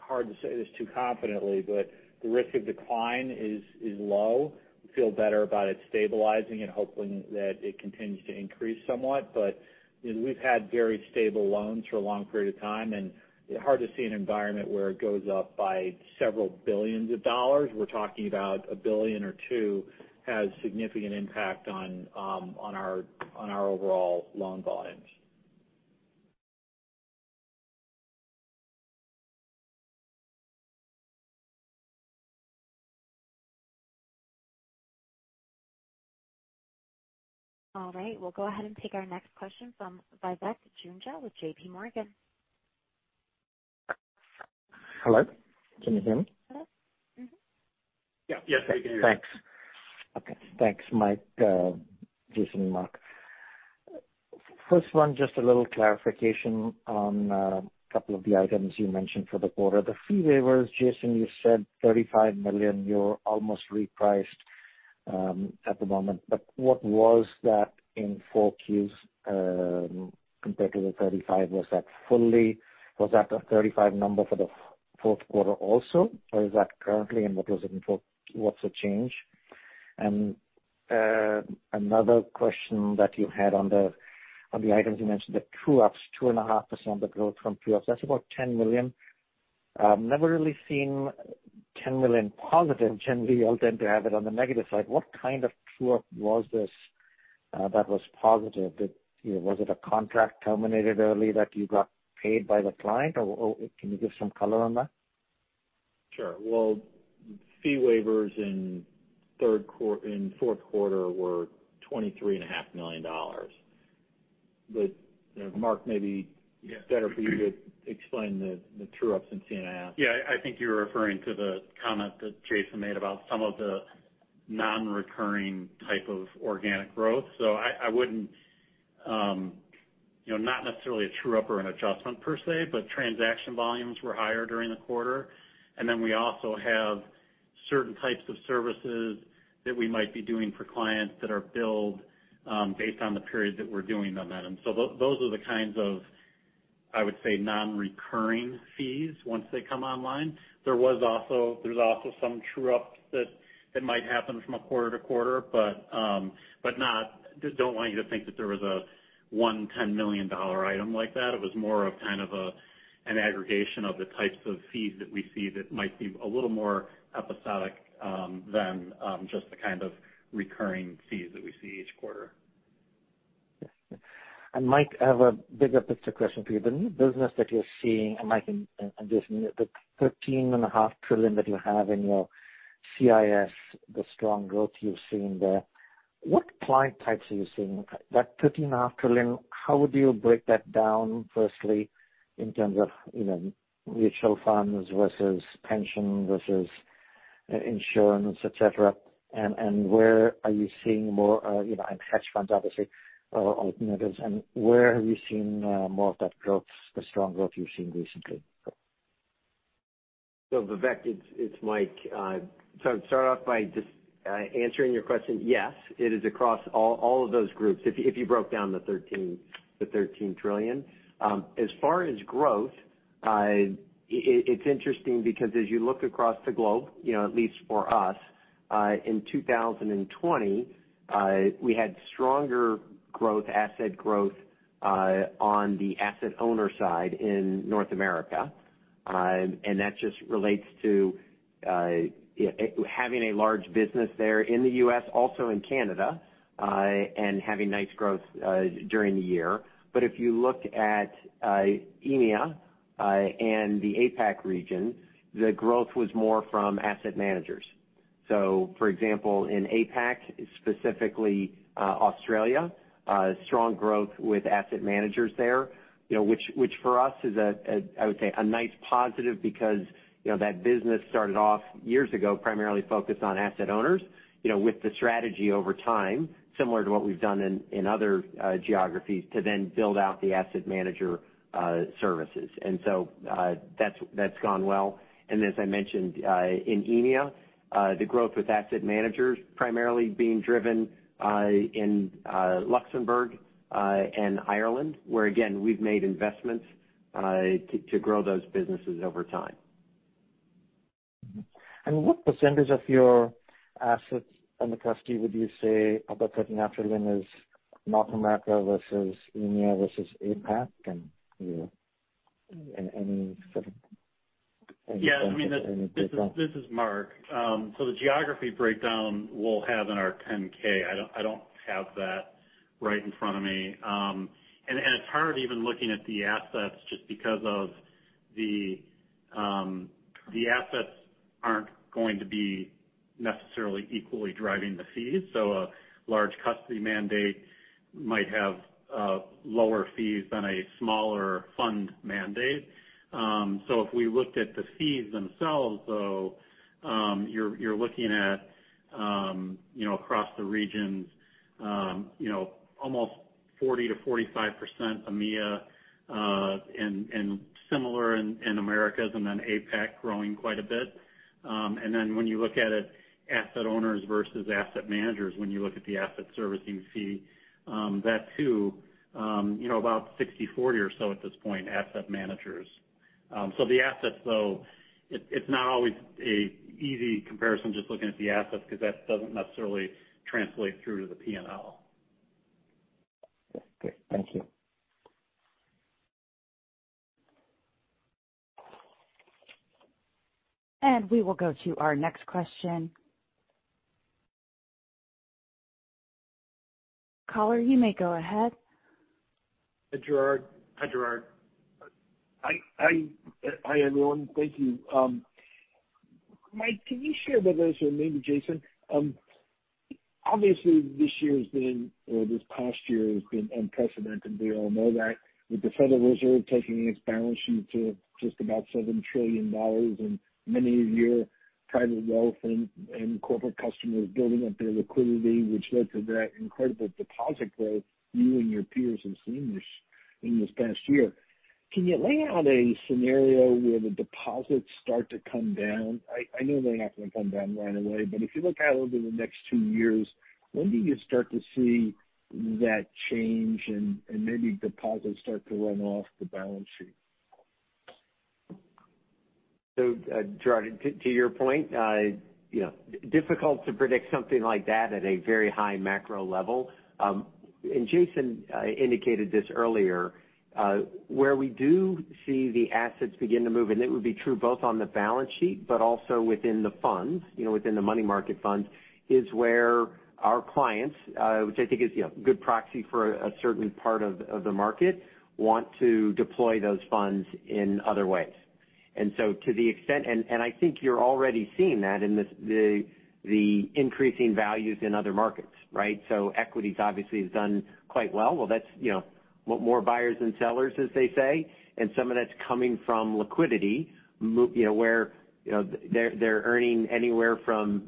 hard to say this too confidently, but the risk of decline is low. We feel better about it stabilizing and hoping that it continues to increase somewhat. But we've had very stable loans for a long period of time. And it's hard to see an environment where it goes up by several billions of dollars. We're talking about a billion or two has a significant impact on our overall loan volumes. All right. We'll go ahead and take our next question from Vivek Juneja with JPMorgan. Hello? Can you hear me? Hello? Yeah. Yes. I can hear you. Thanks. Okay. Thanks, Mike, Jason, and Mark. First one, just a little clarification on a couple of the items you mentioned for the quarter. The fee waivers, Jason, you said $35 million. You're almost repriced at the moment. But what was that in 4Q compared to the $35 million? Was that fully was that the $35 million number for the fourth quarter also, or is that currently in what was it in fourth? What's the change? And another question that you had on the items you mentioned, the true-ups, 2.5% of the growth from true-ups. That's about $10 million. Never really seen $10 million positive. Generally, you'll tend to have it on the negative side. What kind of true-up was this that was positive? Was it a contract terminated early that you got paid by the client? Or can you give some color on that? Sure. Fee waivers in fourth quarter were $23.5 million. But Mark, maybe it's better for you to explain the true-ups and C&IS. Yeah. I think you were referring to the comment that Jason made about some of the non-recurring type of organic growth. So I wouldn't not necessarily a true-up or an adjustment per se, but transaction volumes were higher during the quarter. And then we also have certain types of services that we might be doing for clients that are billed based on the period that we're doing them in. And so those are the kinds of, I would say, non-recurring fees once they come online. There's also some true-ups that might happen from a quarter to quarter, but don't want you to think that there was a one-time $10 million item like that. It was more of kind of an aggregation of the types of fees that we see that might be a little more episodic than just the kind of recurring fees that we see each quarter. And Mike, I have a bigger picture question for you. The new business that you're seeing, and Mike, and Jason, the $13.5 trillion that you have in your CIS, the strong growth you've seen there, what client types are you seeing? That $13.5 trillion, how would you break that down, firstly, in terms of mutual funds versus pension versus insurance, etc.? And where are you seeing more? And hedge funds, obviously, or alternatives. And where have you seen more of that growth, the strong growth you've seen recently? So Vivek, it's Mike. So start off by just answering your question. Yes, it is across all of those groups, if you broke down the 13 trillion. As far as growth, it's interesting because as you look across the globe, at least for us, in 2020, we had stronger growth, asset growth on the asset owner side in North America. And that just relates to having a large business there in the U.S., also in Canada, and having nice growth during the year. But if you look at EMEA and the APAC region, the growth was more from asset managers. So for example, in APAC, specifically Australia, strong growth with asset managers there, which for us is, I would say, a nice positive because that business started off years ago, primarily focused on asset owners, with the strategy over time, similar to what we've done in other geographies, to then build out the asset manager services. And so that's gone well. And as I mentioned, in EMEA, the growth with asset managers primarily being driven in Luxembourg and Ireland, where, again, we've made investments to grow those businesses over time. What percentage of your assets under custody would you say of that 13.5 trillion is North America versus EMEA versus APAC and any sort of? Yeah. I mean, this is Mark. So the geography breakdown we'll have in our 10-K, I don't have that right in front of me. And it's hard even looking at the assets just because the assets aren't going to be necessarily equally driving the fees. So a large custody mandate might have lower fees than a smaller fund mandate. So if we looked at the fees themselves, though, you're looking at across the regions, almost 40%-45% EMEA and similar in Americas and then APAC growing quite a bit. And then when you look at it, asset owners versus asset managers, when you look at the asset servicing fee, that too, about 60-40 or so at this point, asset managers. So the assets, though, it's not always an easy comparison just looking at the assets because that doesn't necessarily translate through to the P&L. Okay. Thank you. We will go to our next question. Caller, you may go ahead. Hi, Gerard. Hi, Gerard. Hi, everyone. Thank you. Mike, can you share with us, or maybe Jason, obviously, this year has been or this past year has been unprecedented. We all know that. With the Federal Reserve taking its balance sheet to just about $7 trillion and many of your private wealth and corporate customers building up their liquidity, which led to that incredible deposit growth you and your peers have seen in this past year, can you lay out a scenario where the deposits start to come down? I know they're not going to come down right away, but if you look out over the next two years, when do you start to see that change and maybe deposits start to run off the balance sheet? So Gerard, to your point, difficult to predict something like that at a very high macro level. And Jason indicated this earlier. Where we do see the assets begin to move, and it would be true both on the balance sheet but also within the funds, within the money market funds, is where our clients, which I think is a good proxy for a certain part of the market, want to deploy those funds in other ways, and so to the extent and I think you're already seeing that in the increasing values in other markets, right, so equities obviously have done quite well, well, that's more buyers than sellers, as they say, and some of that's coming from liquidity, where they're earning anywhere from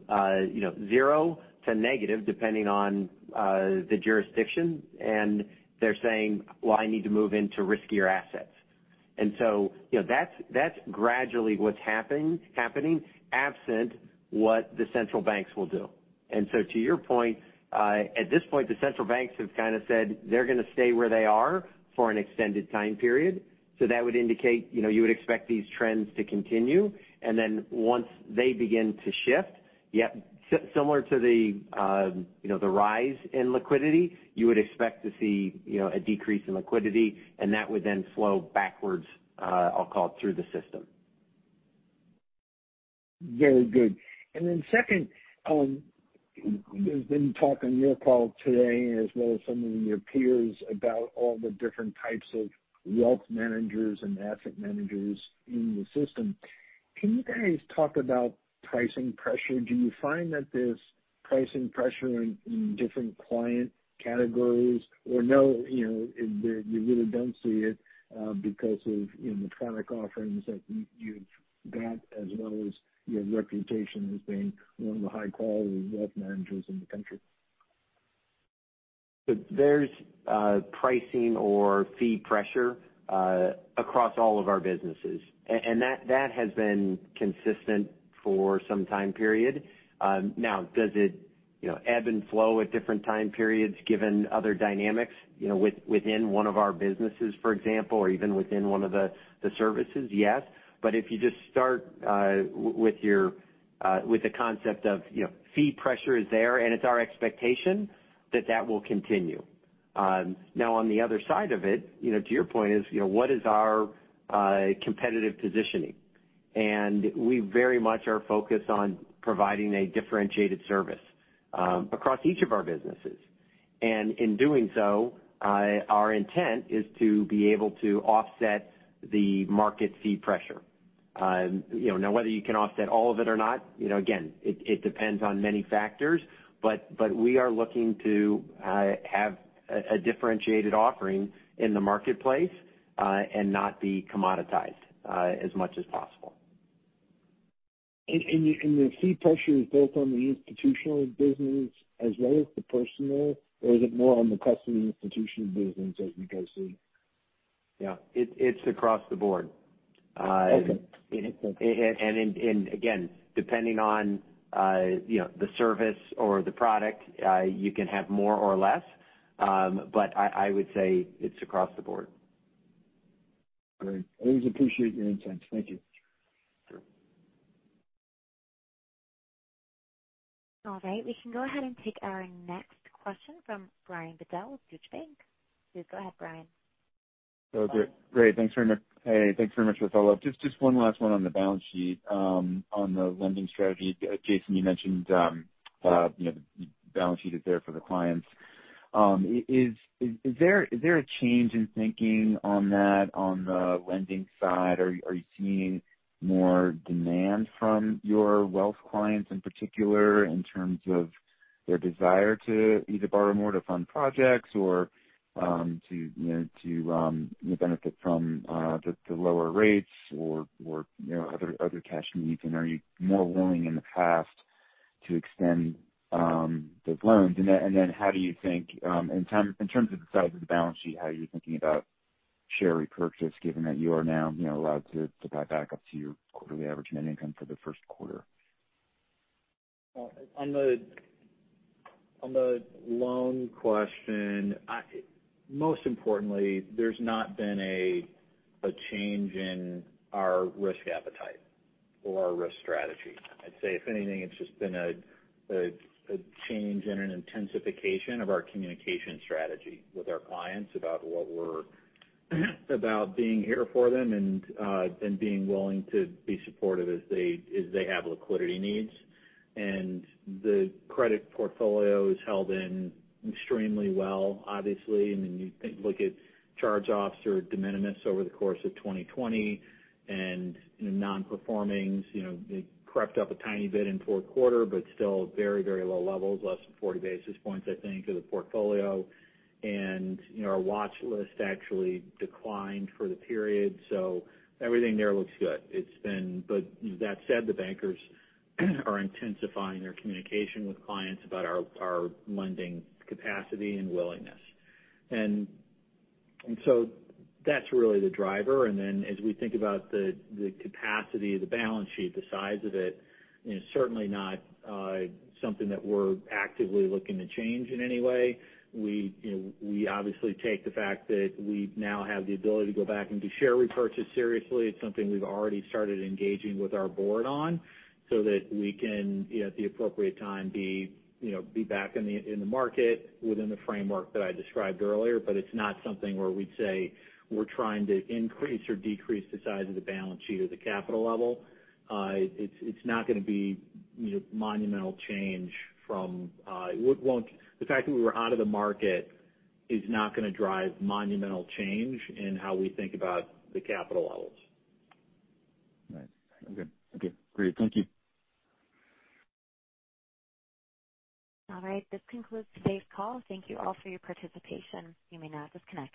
zero to negative, depending on the jurisdiction, and they're saying, "Well, I need to move into riskier assets," and so that's gradually what's happening, absent what the central banks will do. And so to your point, at this point, the central banks have kind of said they're going to stay where they are for an extended time period. So that would indicate you would expect these trends to continue. And then once they begin to shift, similar to the rise in liquidity, you would expect to see a decrease in liquidity, and that would then flow backwards, I'll call it, through the system. Very good. And then second, there's been talk on your call today, as well as some of your peers, about all the different types of wealth managers and asset managers in the system. Can you guys talk about pricing pressure? Do you find that there's pricing pressure in different client categories? Or no, you really don't see it because of the product offerings that you've got, as well as your reputation as being one of the high-quality wealth managers in the country? So there's pricing or fee pressure across all of our businesses. And that has been consistent for some time period. Now, does it ebb and flow at different time periods given other dynamics within one of our businesses, for example, or even within one of the services? Yes. But if you just start with the concept of fee pressure is there, and it's our expectation that that will continue. Now, on the other side of it, to your point, is what is our competitive positioning? And we very much are focused on providing a differentiated service across each of our businesses. And in doing so, our intent is to be able to offset the market fee pressure. Now, whether you can offset all of it or not, again, it depends on many factors. But we are looking to have a differentiated offering in the marketplace and not be commoditized as much as possible. The fee pressure is both on the institutional business as well as the personal, or is it more on the custody institution business as we go through? Yeah. It's across the board. And again, depending on the service or the product, you can have more or less. But I would say it's across the board. All right. Always appreciate your insights. Thank you. All right. We can go ahead and take our next question from Brian Bedell with Deutsche Bank. Please go ahead, Brian. So great. Thanks very much. Hey, thanks very much, Vitala. Just one last one on the balance sheet, on the lending strategy. Jason, you mentioned the balance sheet is there for the clients. Is there a change in thinking on that, on the lending side? Are you seeing more demand from your wealth clients in particular in terms of their desire to either borrow more to fund projects or to benefit from the lower rates or other cash needs? And are you more willing in the past to extend those loans? And then how do you think, in terms of the size of the balance sheet, how are you thinking about share repurchase, given that you are now allowed to buy back up to your quarterly average net income for the first quarter? On the loan question, most importantly, there's not been a change in our risk appetite or our risk strategy. I'd say, if anything, it's just been a change and an intensification of our communication strategy with our clients about being here for them and being willing to be supportive as they have liquidity needs. And the credit portfolio is held in extremely well, obviously. I mean, you look at charge-offs or de minimis over the course of 2020, and non-performings, they crept up a tiny bit in fourth quarter, but still very, very low levels, less than 40 basis points, I think, of the portfolio. And our watch list actually declined for the period. So everything there looks good. But that said, the bankers are intensifying their communication with clients about our lending capacity and willingness. And so that's really the driver. And then, as we think about the capacity, the balance sheet, the size of it, certainly not something that we're actively looking to change in any way. We obviously take the fact that we now have the ability to go back and do share repurchase seriously. It's something we've already started engaging with our board on so that we can, at the appropriate time, be back in the market within the framework that I described earlier. But it's not something where we'd say we're trying to increase or decrease the size of the balance sheet or the capital level. It's not going to be monumental change from the fact that we were out of the market is not going to drive monumental change in how we think about the capital levels. Nice. Okay. Thank you. Great. Thank you. All right. This concludes today's call. Thank you all for your participation. You may now disconnect.